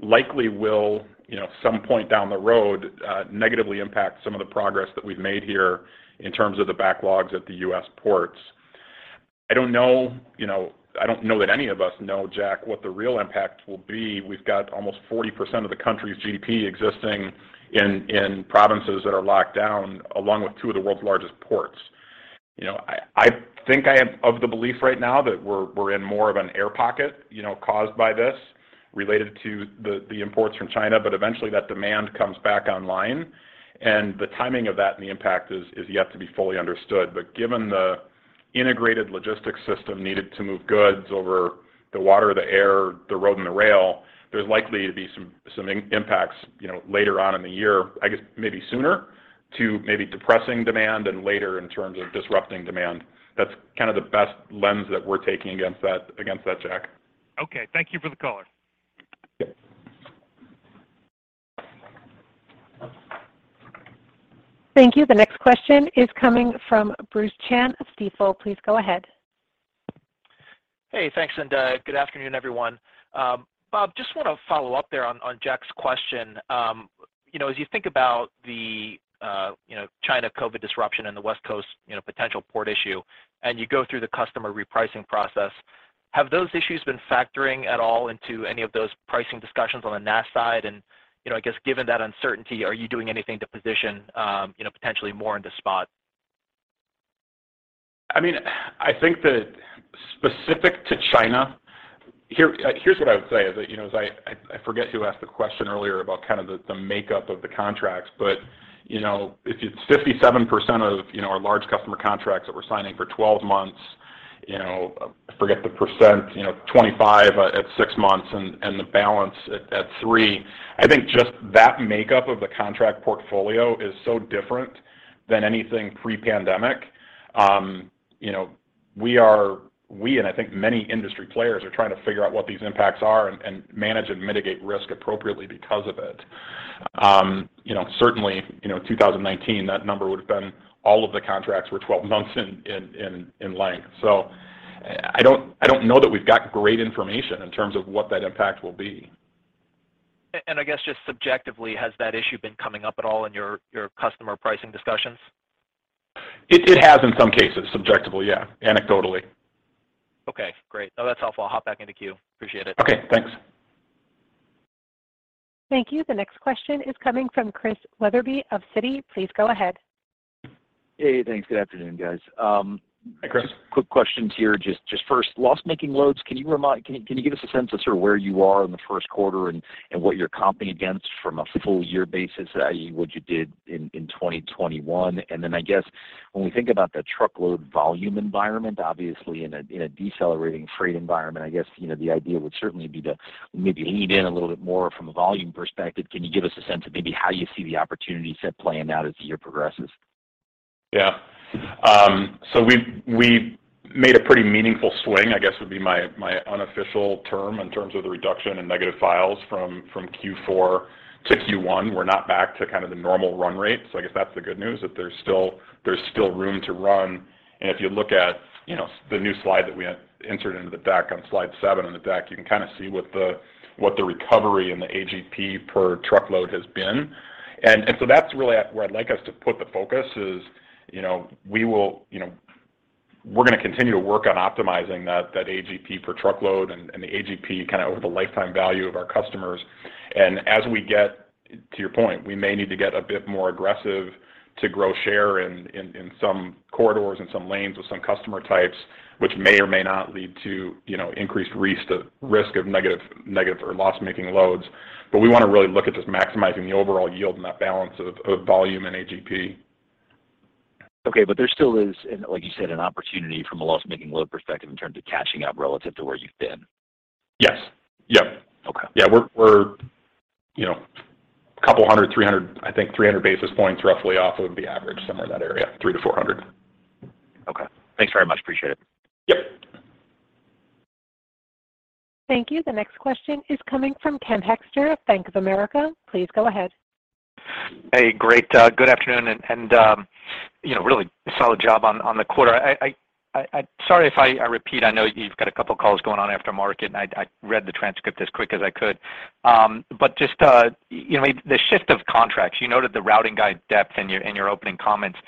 likely will, you know, some point down the road, negatively impact some of the progress that we've made here in terms of the backlogs at the U.S. ports. I don't know, you know, I don't know that any of us know, Jack, what the real impact will be. We've got almost 40% of the country's GDP existing in provinces that are locked down, along with two of the world's largest ports. You know, I think I am of the belief right now that we're in more of an air pocket, you know, caused by this related to the imports from China. Eventually, that demand comes back online, and the timing of that and the impact is yet to be fully understood. Given the integrated logistics system needed to move goods over the water, the air, the road, and the rail. There's likely to be some impacts, you know, later on in the year, I guess maybe sooner in terms of depressing demand and later in terms of disrupting demand. That's kind of the best lens that we're taking against that, Jack. Okay. Thank you for the color. Okay. Thank you. The next question is coming from Bruce Chan of Stifel. Please go ahead. Hey, thanks, and good afternoon, everyone. Bob, just want to follow up there on Jack's question. You know, as you think about the China COVID disruption in the West Coast, you know, potential port issue, and you go through the customer repricing process, have those issues been factoring at all into any of those pricing discussions on the NAST side? You know, I guess given that uncertainty, are you doing anything to position you know, potentially more into spot? I mean, I think that specific to China, here's what I would say is that, you know, as I forget who asked the question earlier about kind of the makeup of the contracts. You know, if it's 57% of, you know, our large customer contracts that we're signing for 12 months, you know, I forget the percent, you know, 25 at six months and the balance at three. I think just that makeup of the contract portfolio is so different than anything pre-pandemic. You know, we and I think many industry players are trying to figure out what these impacts are and manage and mitigate risk appropriately because of it. You know, certainly, you know, 2019, that number would have been all of the contracts were 12 months in length. I don't know that we've got great information in terms of what that impact will be. I guess just subjectively, has that issue been coming up at all in your customer pricing discussions? It has in some cases. Subjectively, yeah. Anecdotally. Okay, great. No, that's helpful. I'll hop back in the queue. Appreciate it. Okay, thanks. Thank you. The next question is coming from Christian Wetherbee of Citi. Please go ahead. Hey, thanks. Good afternoon, guys. Hi, Chris. Quick questions here. Just first, loss-making loads, can you give us a sense of sort of where you are in the first quarter and what you're comping against from a full year basis, i.e., what you did in 2021? Then I guess when we think about the truckload volume environment, obviously in a decelerating freight environment, I guess, you know, the idea would certainly be to maybe lean in a little bit more from a volume perspective. Can you give us a sense of maybe how you see the opportunity set playing out as the year progresses? Yeah. We've made a pretty meaningful swing, I guess, would be my unofficial term in terms of the reduction in negative files from Q4 to Q1. We're not back to kind of the normal run rate. I guess that's the good news, that there's still room to run. If you look at, you know, the new slide that we entered into the deck on slide seven in the deck, you can kind of see what the recovery in the AGP per truckload has been. That's really where I'd like us to put the focus is, you know, you know, we're gonna continue to work on optimizing that AGP per truckload and the AGP kind of over the lifetime value of our customers. As we get to your point, we may need to get a bit more aggressive to grow share in some corridors and some lanes with some customer types, which may or may not lead to, you know, increased res-risk of negative or loss-making loads. But we want to really look at just maximizing the overall yield and that balance of volume and AGP. Okay, there still is, like you said, an opportunity from a loss-making load perspective in terms of catching up relative to where you've been. Yes. Yep. Okay. Yeah. We're you know, a couple hundred, 300, I think 300 basis points roughly off of the average, somewhere in that area, 300-400. Okay. Thanks very much. Appreciate it. Yep. Thank you. The next question is coming from Ken Hoexter of Bank of America. Please go ahead. Hey, great. Good afternoon, and you know, really solid job on the quarter. Sorry if I repeat. I know you've got a couple of calls going on after market, and I read the transcript as quick as I could. Just you know, the shift of contracts. You noted the routing guide depth in your opening comments.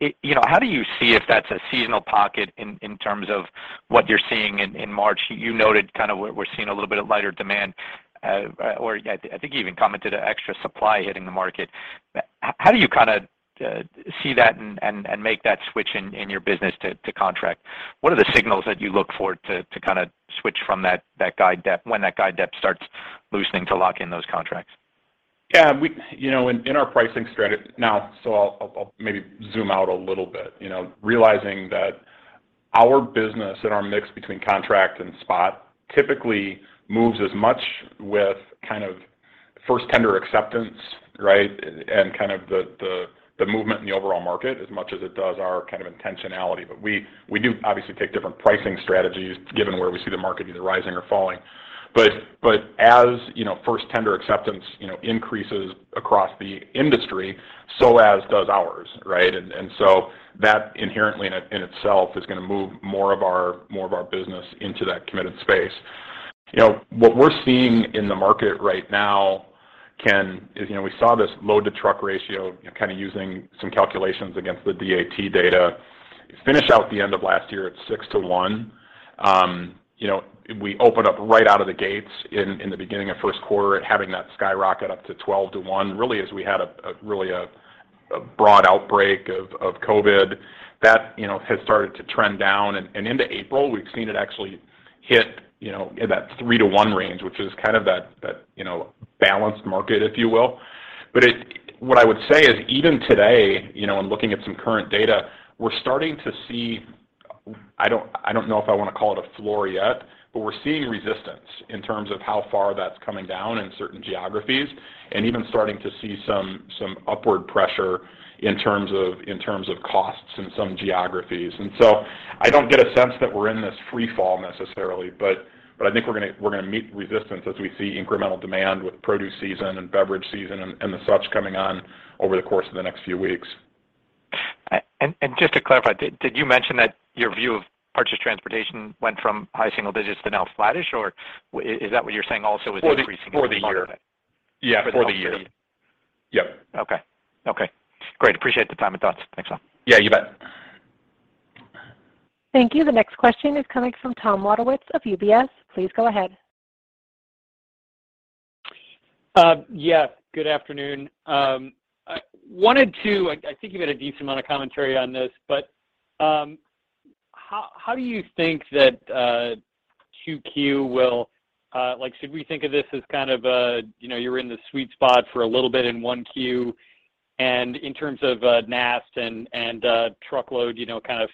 You know, how do you see if that's a seasonal pocket in terms of what you're seeing in March? You noted kind of we're seeing a little bit of lighter demand, or I think you even commented extra supply hitting the market. How do you kinda see that and make that switch in your business to contract? What are the signals that you look for to kinda switch from that guidance when that guidance starts loosening to lock in those contracts? Yeah. We, you know, in our pricing strategy. Now, I'll maybe zoom out a little bit, you know, realizing that our business and our mix between contract and spot typically moves as much with kind of first tender acceptance, right? And kind of the movement in the overall market as much as it does our kind of intentionality. But we do obviously take different pricing strategies given where we see the market either rising or falling. But as, you know, first tender acceptance, you know, increases across the industry, so as does ours, right? And so that inherently in itself is gonna move more of our business into that committed space. You know, what we're seeing in the market right now, Ken, is, you know, we saw this load to truck ratio kind of using some calculations against the DAT data finish out the end of last year at 6-to-1. You know, we opened up right out of the gates in the beginning of first quarter at having that skyrocket up to 12-to-1, really, as we had a really broad outbreak of COVID. That, you know, has started to trend down. Into April, we've seen it actually hit, you know, that 3-to-1 range, which is kind of that, you know, balanced market, if you will. It, what I would say is even today, you know, in looking at some current data, we're starting to see, I don't know if I wanna call it a floor yet, but we're seeing resistance in terms of how far that's coming down in certain geographies and even starting to see some upward pressure in terms of costs in some geographies. I don't get a sense that we're in this free fall necessarily, but I think we're gonna meet resistance as we see incremental demand with produce season and beverage season and such coming on over the course of the next few weeks. Just to clarify, did you mention that your view of purchased transportation went from high single digits to now flattish, or is that what you're saying also is increasing? For the year. Yeah, for the year. For the year. Yep. Okay. Okay. Great. Appreciate the time and thoughts. Thanks a lot. Yeah, you bet. Thank you. The next question is coming from Tom Wadewitz of UBS. Please go ahead. Yeah, good afternoon. I think you've had a decent amount of commentary on this, but how do you think that Q2 will like should we think of this as kind of a, you know, you're in the sweet spot for a little bit in 1Q, and in terms of NAST and truckload, you know, kind of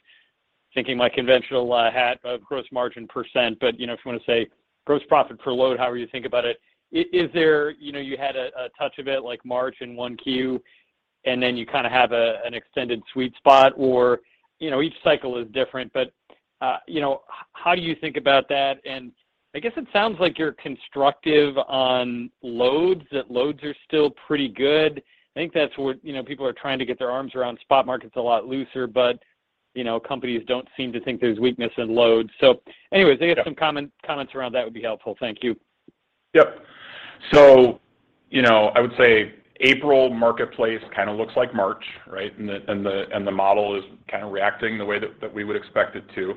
thinking my conventional hat of gross margin %, but, you know, if you wanna say gross profit per load, however you think about it, is there, you know, you had a touch of it like March and 1Q, and then you kinda have an extended sweet spot or, you know, each cycle is different. But you know how do you think about that? I guess it sounds like you're constructive on loads, that loads are still pretty good. I think that's what, you know, people are trying to get their arms around. Spot market's a lot looser, but, you know, companies don't seem to think there's weakness in loads. Yeah. Some comments around that would be helpful. Thank you. Yep. You know, I would say April marketplace kinda looks like March, right? The model is kinda reacting the way that we would expect it to.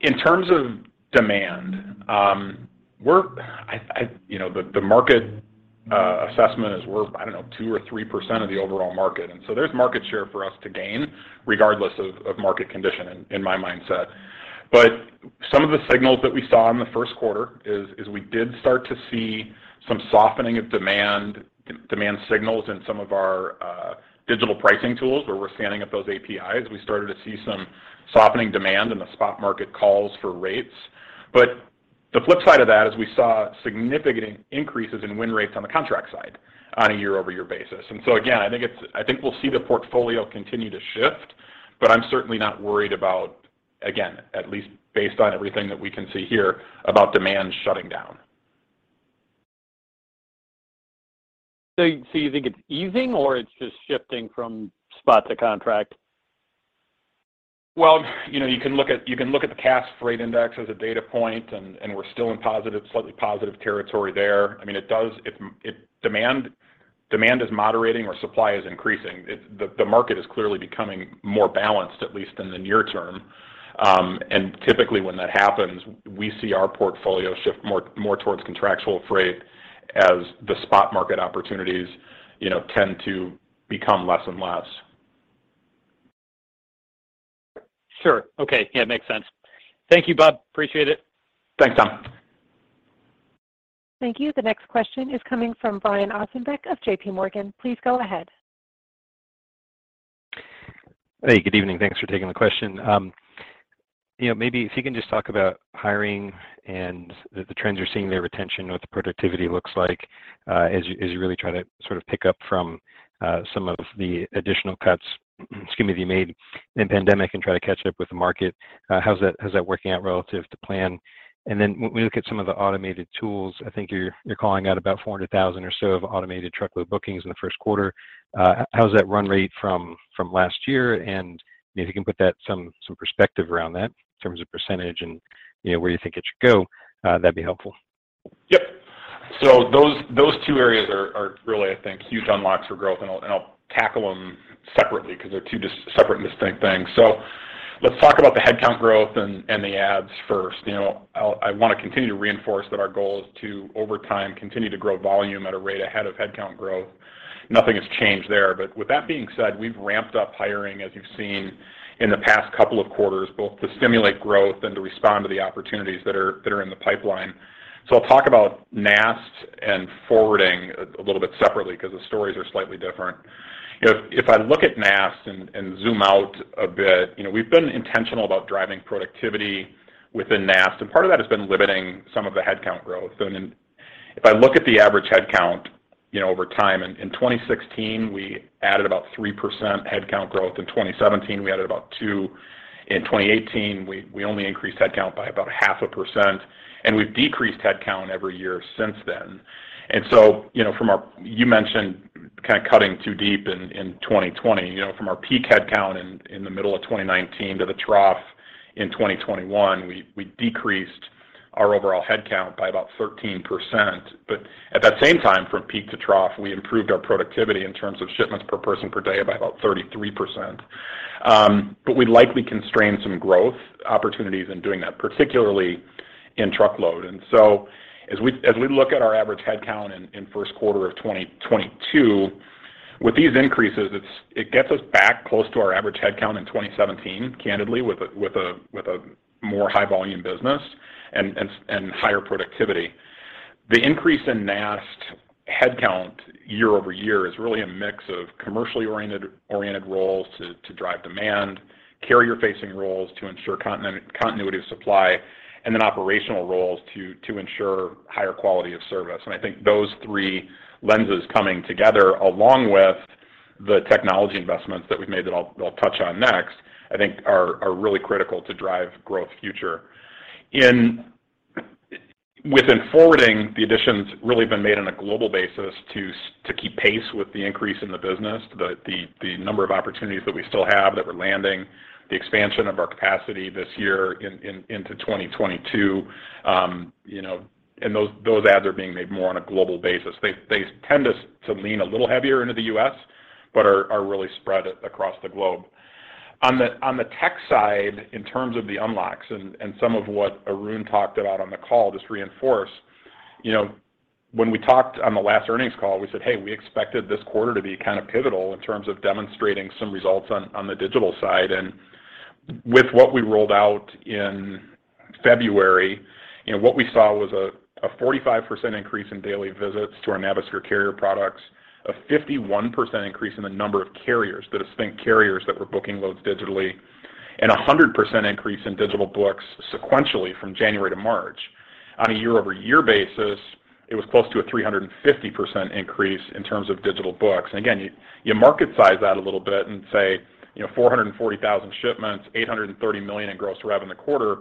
In terms of demand, I you know, the market assessment is we're, I don't know, 2% or 3% of the overall market, and so there's market share for us to gain regardless of market condition in my mindset. Some of the signals that we saw in the first quarter is we did start to see some softening of demand signals in some of our digital pricing tools, where we're standing up those APIs. We started to see some softening demand in the spot market calls for rates. The flip side of that is we saw significant increases in win rates on the contract side on a year-over-year basis. Again, I think we'll see the portfolio continue to shift, but I'm certainly not worried about, again, at least based on everything that we can see here, about demand shutting down. You think it's easing or it's just shifting from spot to contract? Well, you know, you can look at the Cass Freight Index as a data point, and we're still in slightly positive territory there. I mean, if demand is moderating or supply is increasing, the market is clearly becoming more balanced, at least in the near term. Typically when that happens, we see our portfolio shift more towards contractual freight as the spot market opportunities, you know, tend to become less and less. Sure. Okay. Yeah, makes sense. Thank you, Bob. Appreciate it. Thanks, Tom. Thank you. The next question is coming from Brian Ossenbeck of JPMorgan. Please go ahead. Hey, good evening. Thanks for taking the question. You know, maybe if you can just talk about hiring and the trends you're seeing there, retention, what the productivity looks like, as you really try to sort of pick up from some of the additional cuts, excuse me, made in pandemic and try to catch up with the market. How's that working out relative to plan? When we look at some of the automated tools, I think you're calling out about 400,000 or so of automated truckload bookings in the first quarter. How's that run rate from last year? If you can put that some perspective around that in terms of percentage and, you know, where you think it should go, that'd be helpful. Yep. Those two areas are really, I think, huge unlocks for growth, and I'll tackle them separately because they're two separate and distinct things. Let's talk about the headcount growth and the adds first. You know, I want to continue to reinforce that our goal is to, over time, continue to grow volume at a rate ahead of headcount growth. Nothing has changed there. With that being said, we've ramped up hiring, as you've seen, in the past couple of quarters, both to stimulate growth and to respond to the opportunities that are in the pipeline. I'll talk about NAST and forwarding a little bit separately because the stories are slightly different. You know, if I look at NAST and zoom out a bit, you know, we've been intentional about driving productivity within NAST, and part of that has been limiting some of the headcount growth. If I look at the average headcount, you know, over time, in 2016, we added about 3% headcount growth. In 2017, we added about 2%. In 2018, we only increased headcount by about 0.5%, and we've decreased headcount every year since then. You know, you mentioned kind of cutting too deep in 2020. You know, from our peak headcount in the middle of 2019 to the trough in 2021, we decreased our overall headcount by about 13%. At that same time, from peak to trough, we improved our productivity in terms of shipments per person per day by about 33%. We likely constrained some growth opportunities in doing that, particularly in truckload. As we look at our average headcount in first quarter of 2022. With these increases, it gets us back close to our average headcount in 2017, candidly, with a more high-volume business and higher productivity. The increase in NAST headcount year-over-year is really a mix of commercially oriented roles to drive demand, carrier-facing roles to ensure continuity of supply, and then operational roles to ensure higher quality of service. I think those three lenses coming together, along with the technology investments that we've made, that I'll touch on next, I think are really critical to drive future growth. Within forwarding, the additions have really been made on a global basis to keep pace with the increase in the business. The number of opportunities that we still have that we're landing, the expansion of our capacity this year into 2022, you know, and those adds are being made more on a global basis. They tend to lean a little heavier into the US, but are really spread across the globe. On the tech side, in terms of the unlocks and some of what Arun talked about on the call, just to reinforce, you know, when we talked on the last earnings call, we said, "Hey, we expected this quarter to be kind of pivotal in terms of demonstrating some results on the digital side." With what we rolled out in February, you know, what we saw was a 45% increase in daily visits to our Navisphere Carrier products, a 51% increase in the number of carriers, the distinct carriers that were booking loads digitally, and a 100% increase in digital books sequentially from January to March. On a year-over-year basis, it was close to a 350% increase in terms of digital books. You market size that a little bit and say, you know, 440,000 shipments, $830 million in gross rev in the quarter.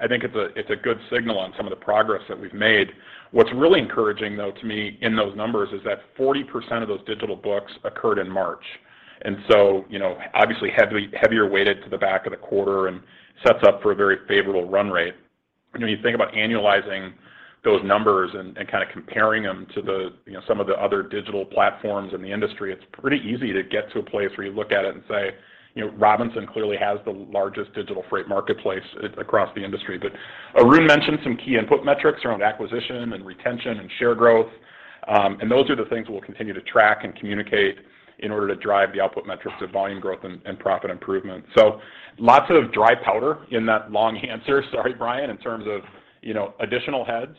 I think it's a good signal on some of the progress that we've made. What's really encouraging, though, to me in those numbers is that 40% of those digital bookings occurred in March. You know, obviously heavier weighted to the back of the quarter and sets up for a very favorable run rate. You know, you think about annualizing those numbers and kind of comparing them to the, you know, some of the other digital platforms in the industry, it's pretty easy to get to a place where you look at it and say, "You know, Robinson clearly has the largest digital freight marketplace across the industry." Arun mentioned some key input metrics around acquisition and retention and share growth, and those are the things we'll continue to track and communicate in order to drive the output metrics of volume growth and profit improvement. Lots of dry powder in that long answer, sorry, Brian, in terms of, you know, additional heads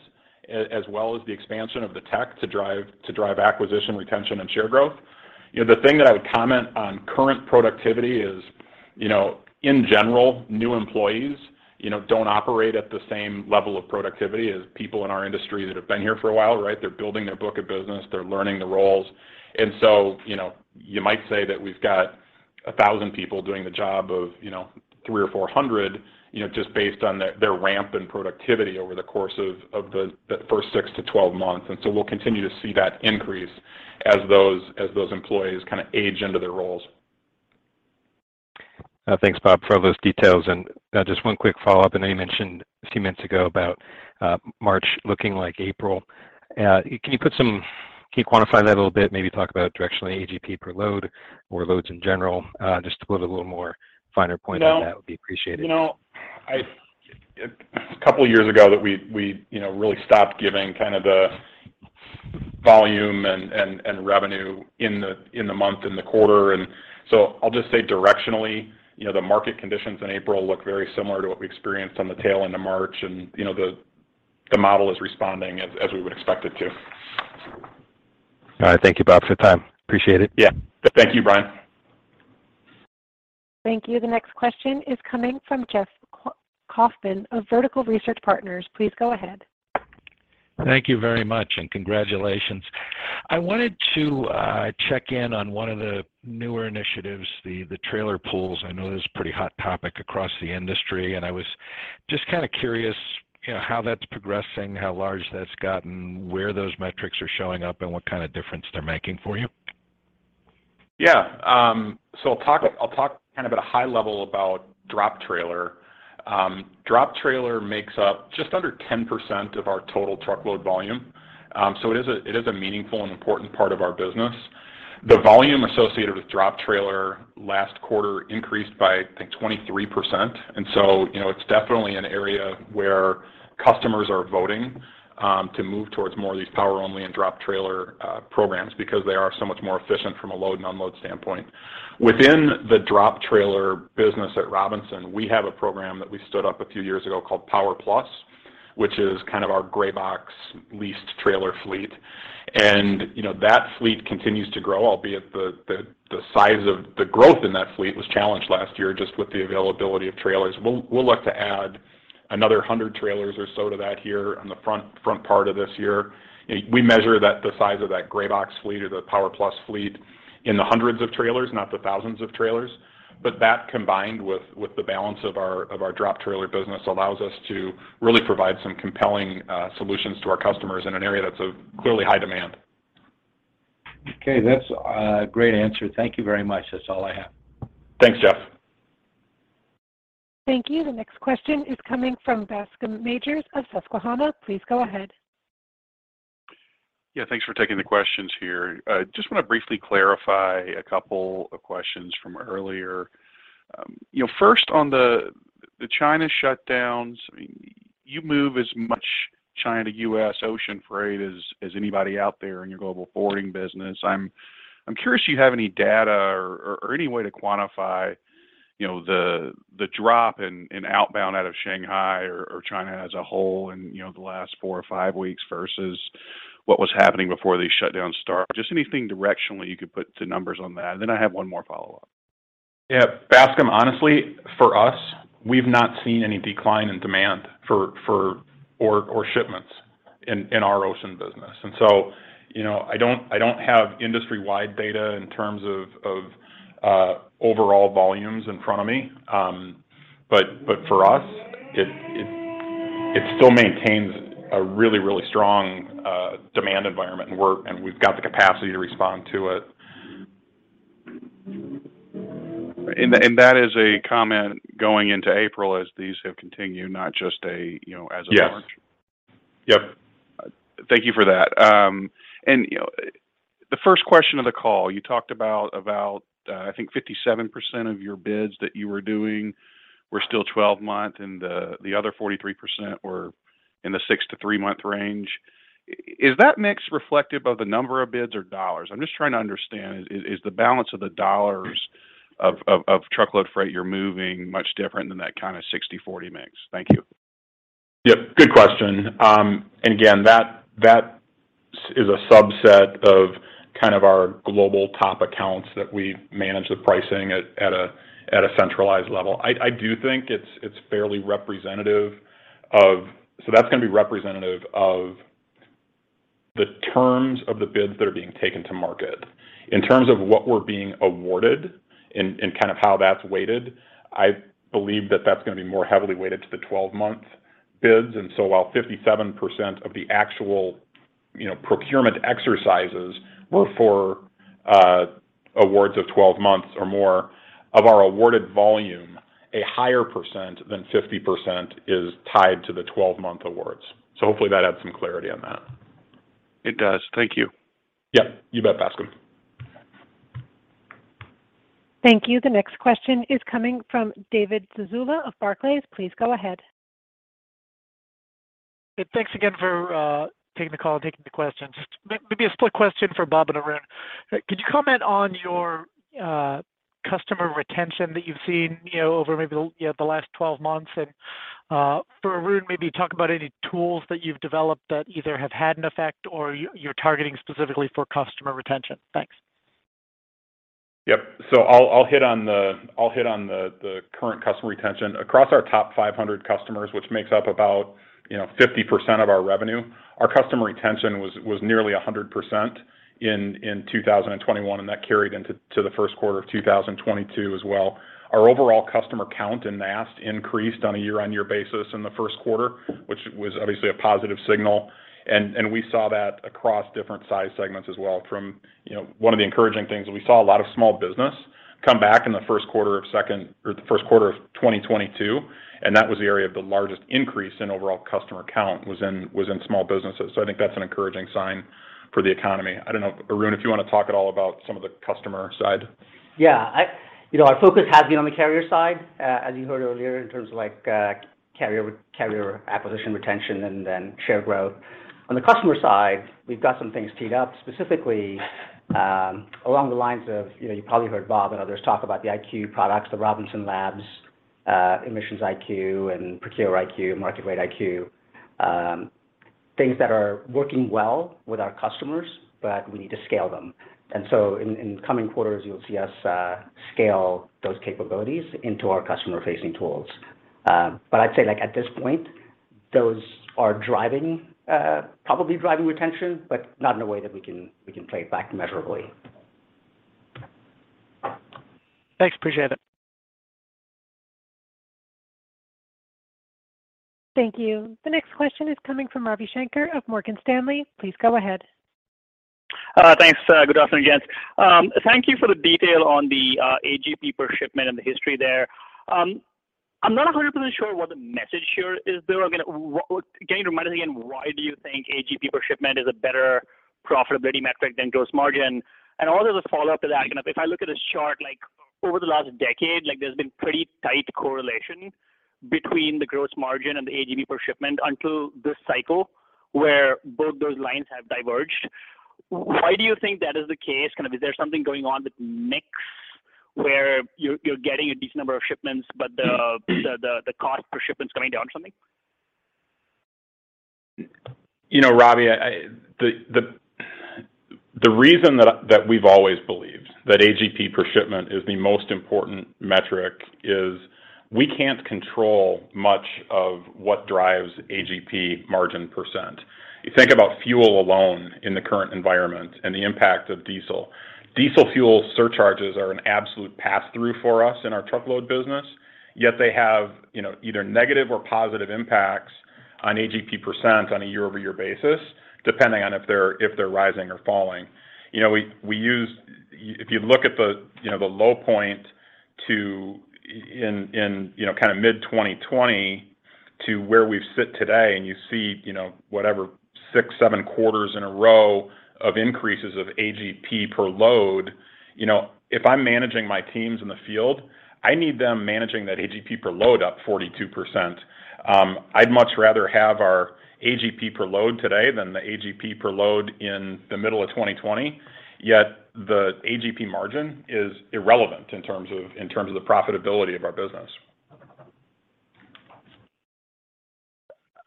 as well as the expansion of the tech to drive acquisition, retention, and share growth. You know, the thing that I would comment on current productivity is, you know, in general, new employees, you know, don't operate at the same level of productivity as people in our industry that have been here for a while, right? They're building their book of business. They're learning the roles. You know, you might say that we've got 1,000 people doing the job of, you know, 300 or 400, you know, just based on their ramp in productivity over the course of the first six to 12 months. We'll continue to see that increase as those employees kind of age into their roles. Thanks, Bob, for all those details. Just one quick follow-up. I know you mentioned a few minutes ago about March looking like April. Can you quantify that a little bit, maybe talk about directionally AGP per load or loads in general? Just to put a little more finer point on that. You know. Would be appreciated. You know, a couple of years ago that we, you know, really stopped giving kind of the volume and revenue in the month in the quarter. I'll just say directionally, you know, the market conditions in April look very similar to what we experienced on the tail end of March. You know, the model is responding as we would expect it to. All right. Thank you, Bob, for the time. Appreciate it. Yeah. Thank you, Brian. Thank you. The next question is coming from Jeff Kauffman of Vertical Research Partners. Please go ahead. Thank you very much, and congratulations. I wanted to check in on one of the newer initiatives, the trailer pools. I know this is a pretty hot topic across the industry, and I was just kind of curious, you know, how that's progressing, how large that's gotten, where those metrics are showing up, and what kind of difference they're making for you? I'll talk kind of at a high level about drop trailer. Drop trailer makes up just under 10% of our total truckload volume, so it is a meaningful and important part of our business. The volume associated with drop trailer last quarter increased by, I think, 23%. You know, it's definitely an area where customers are voting to move towards more of these power-only and drop trailer programs because they are so much more efficient from a load and unload standpoint. Within the drop trailer business at Robinson, we have a program that we stood up a few years ago called Power+, which is kind of our gray box leased trailer fleet. You know, that fleet continues to grow, albeit the size of the growth in that fleet was challenged last year just with the availability of trailers. We'll look to add another 100 trailers or so to that here on the front part of this year. We measure that the size of that gray box fleet or the Power+ fleet in the hundreds of trailers, not the thousands of trailers. That combined with the balance of our drop trailer business allows us to really provide some compelling solutions to our customers in an area that's of clearly high demand. Okay. That's a great answer. Thank you very much. That's all I have. Thanks, Jeff. Thank you. The next question is coming from Bascome Majors of Susquehanna. Please go ahead. Yeah, thanks for taking the questions here. I just want to briefly clarify a couple of questions from earlier. You know, first on the China shutdowns, I mean, you move as much China, US ocean freight as anybody out there in your global forwarding business. I'm curious if you have any data or any way to quantify, you know, the drop in outbound out of Shanghai or China as a whole in, you know, the last four or five weeks versus what was happening before these shutdowns started. Just anything directionally you could put numbers on that. Then I have one more follow-up. Yeah. Bascome, honestly, for us, we've not seen any decline in demand for shipments in our ocean business. You know, I don't have industry-wide data in terms of overall volumes in front of me. But for us, it still maintains a really strong demand environment, and we've got the capacity to respond to it. That is a comment going into April as these have continued, not just, you know, as of March. Yes. Yep. Thank you for that. You know, the first question of the call, you talked about I think 57% of your bids that you were doing were still 12-month, and the other 43% were in the 6- to 3-month range. Is that mix reflective of the number of bids or dollars? I'm just trying to understand. Is the balance of the dollars of truckload freight you're moving much different than that kind of 60/40 mix? Thank you. Yep. Good question. Again, that is a subset of kind of our global top accounts that we manage the pricing at a centralized level. I do think it's fairly representative of the terms of the bids that are being taken to market. In terms of what we're being awarded and kind of how that's weighted, I believe that that's gonna be more heavily weighted to the 12-month bids. While 57% of the actual, you know, procurement exercises were for awards of 12 months or more, of our awarded volume, a higher percent than 50% is tied to the 12-month awards. Hopefully that adds some clarity on that. It does. Thank you. Yeah. You bet, Bascome. Thank you. The next question is coming from David Zazula of Barclays. Please go ahead. Thanks again for taking the call and taking the questions. Just maybe a split question for Bob and Arun. Could you comment on your customer retention that you've seen, you know, over maybe the, you know, the last 12 months? For Arun, maybe talk about any tools that you've developed that either have had an effect or you're targeting specifically for customer retention. Thanks. I'll hit on the current customer retention. Across our top 500 customers, which makes up about, you know, 50% of our revenue, our customer retention was nearly 100% in 2021, and that carried into the first quarter of 2022 as well. Our overall customer count in NAST increased on a year-on-year basis in the first quarter, which was obviously a positive signal. We saw that across different size segments as well from, you know, one of the encouraging things, we saw a lot of small business come back in the first quarter of 2022, and that was the area of the largest increase in overall customer count in small businesses. I think that's an encouraging sign for the economy. I don't know if, Arun, you want to talk at all about some of the customer side. Yeah. You know, our focus has been on the carrier side, as you heard earlier in terms of like, carrier acquisition retention and then share growth. On the customer side, we've got some things teed up, specifically, along the lines of, you know, you probably heard Bob and others talk about the IQ products, the Robinson Labs, Emissions IQ and Procure IQ, Market Rate IQ, things that are working well with our customers, but we need to scale them. In coming quarters, you'll see us scale those capabilities into our customer-facing tools. I'd say like at this point, those are driving, probably driving retention, but not in a way that we can play it back measurably. Thanks. Appreciate it. Thank you. The next question is coming from Ravi Shanker of Morgan Stanley. Please go ahead. Thanks. Good afternoon, gents. Thank you for the detail on the AGP per shipment and the history there. I'm not 100% sure what the message here is, though. Again, Can you remind us again why do you think AGP per shipment is a better profitability metric than gross margin? And also as a follow-up to that, you know, if I look at this chart, like over the last decade, like there's been pretty tight correlation between the gross margin and the AGP per shipment until this cycle where both those lines have diverged. Why do you think that is the case? Kind of is there something going on with mix where you're getting a decent number of shipments, but the cost per shipment is coming down or something? You know, Ravi, the reason that we've always believed that AGP per shipment is the most important metric is we can't control much of what drives AGP margin percent. You think about fuel alone in the current environment and the impact of diesel. Diesel fuel surcharges are an absolute pass-through for us in our truckload business, yet they have, you know, either negative or positive impacts on AGP percent on a year-over-year basis, depending on if they're rising or falling. You know, we use. If you look at the, you know, the low point in mid-2020 to where we sit today and you see, you know, whatever six, seven quarters in a row of increases of AGP per load, you know, if I'm managing my teams in the field, I need them managing that AGP per load up 42%. I'd much rather have our AGP per load today than the AGP per load in the middle of 2020, yet the AGP margin is irrelevant in terms of the profitability of our business.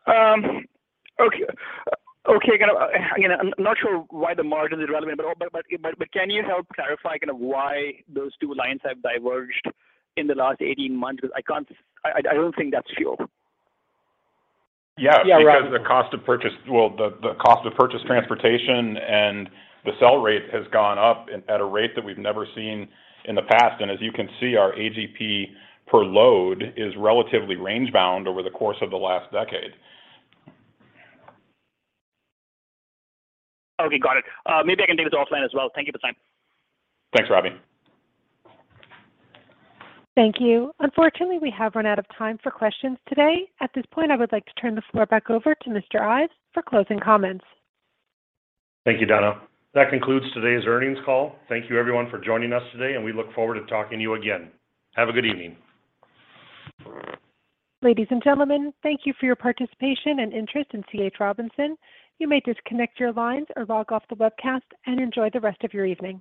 Okay. Again, I'm not sure why the margin is relevant, but can you help clarify kind of why those two lines have diverged in the last 18 months? Because I can't. I don't think that's fuel. Yeah. Yeah. Right. Well, the cost of purchase transportation and the sell rate has gone up at a rate that we've never seen in the past. As you can see, our AGP per load is relatively range-bound over the course of the last decade. Okay. Got it. Maybe I can take this offline as well. Thank you for the time. Thanks, Ravi. Thank you. Unfortunately, we have run out of time for questions today. At this point, I would like to turn the floor back over to Mr. Ives for closing comments. Thank you, Donna. That concludes today's earnings call. Thank you everyone for joining us today, and we look forward to talking to you again. Have a good evening. Ladies and gentlemen, thank you for your participation and interest in C.H. Robinson. You may disconnect your lines or log off the webcast and enjoy the rest of your evening.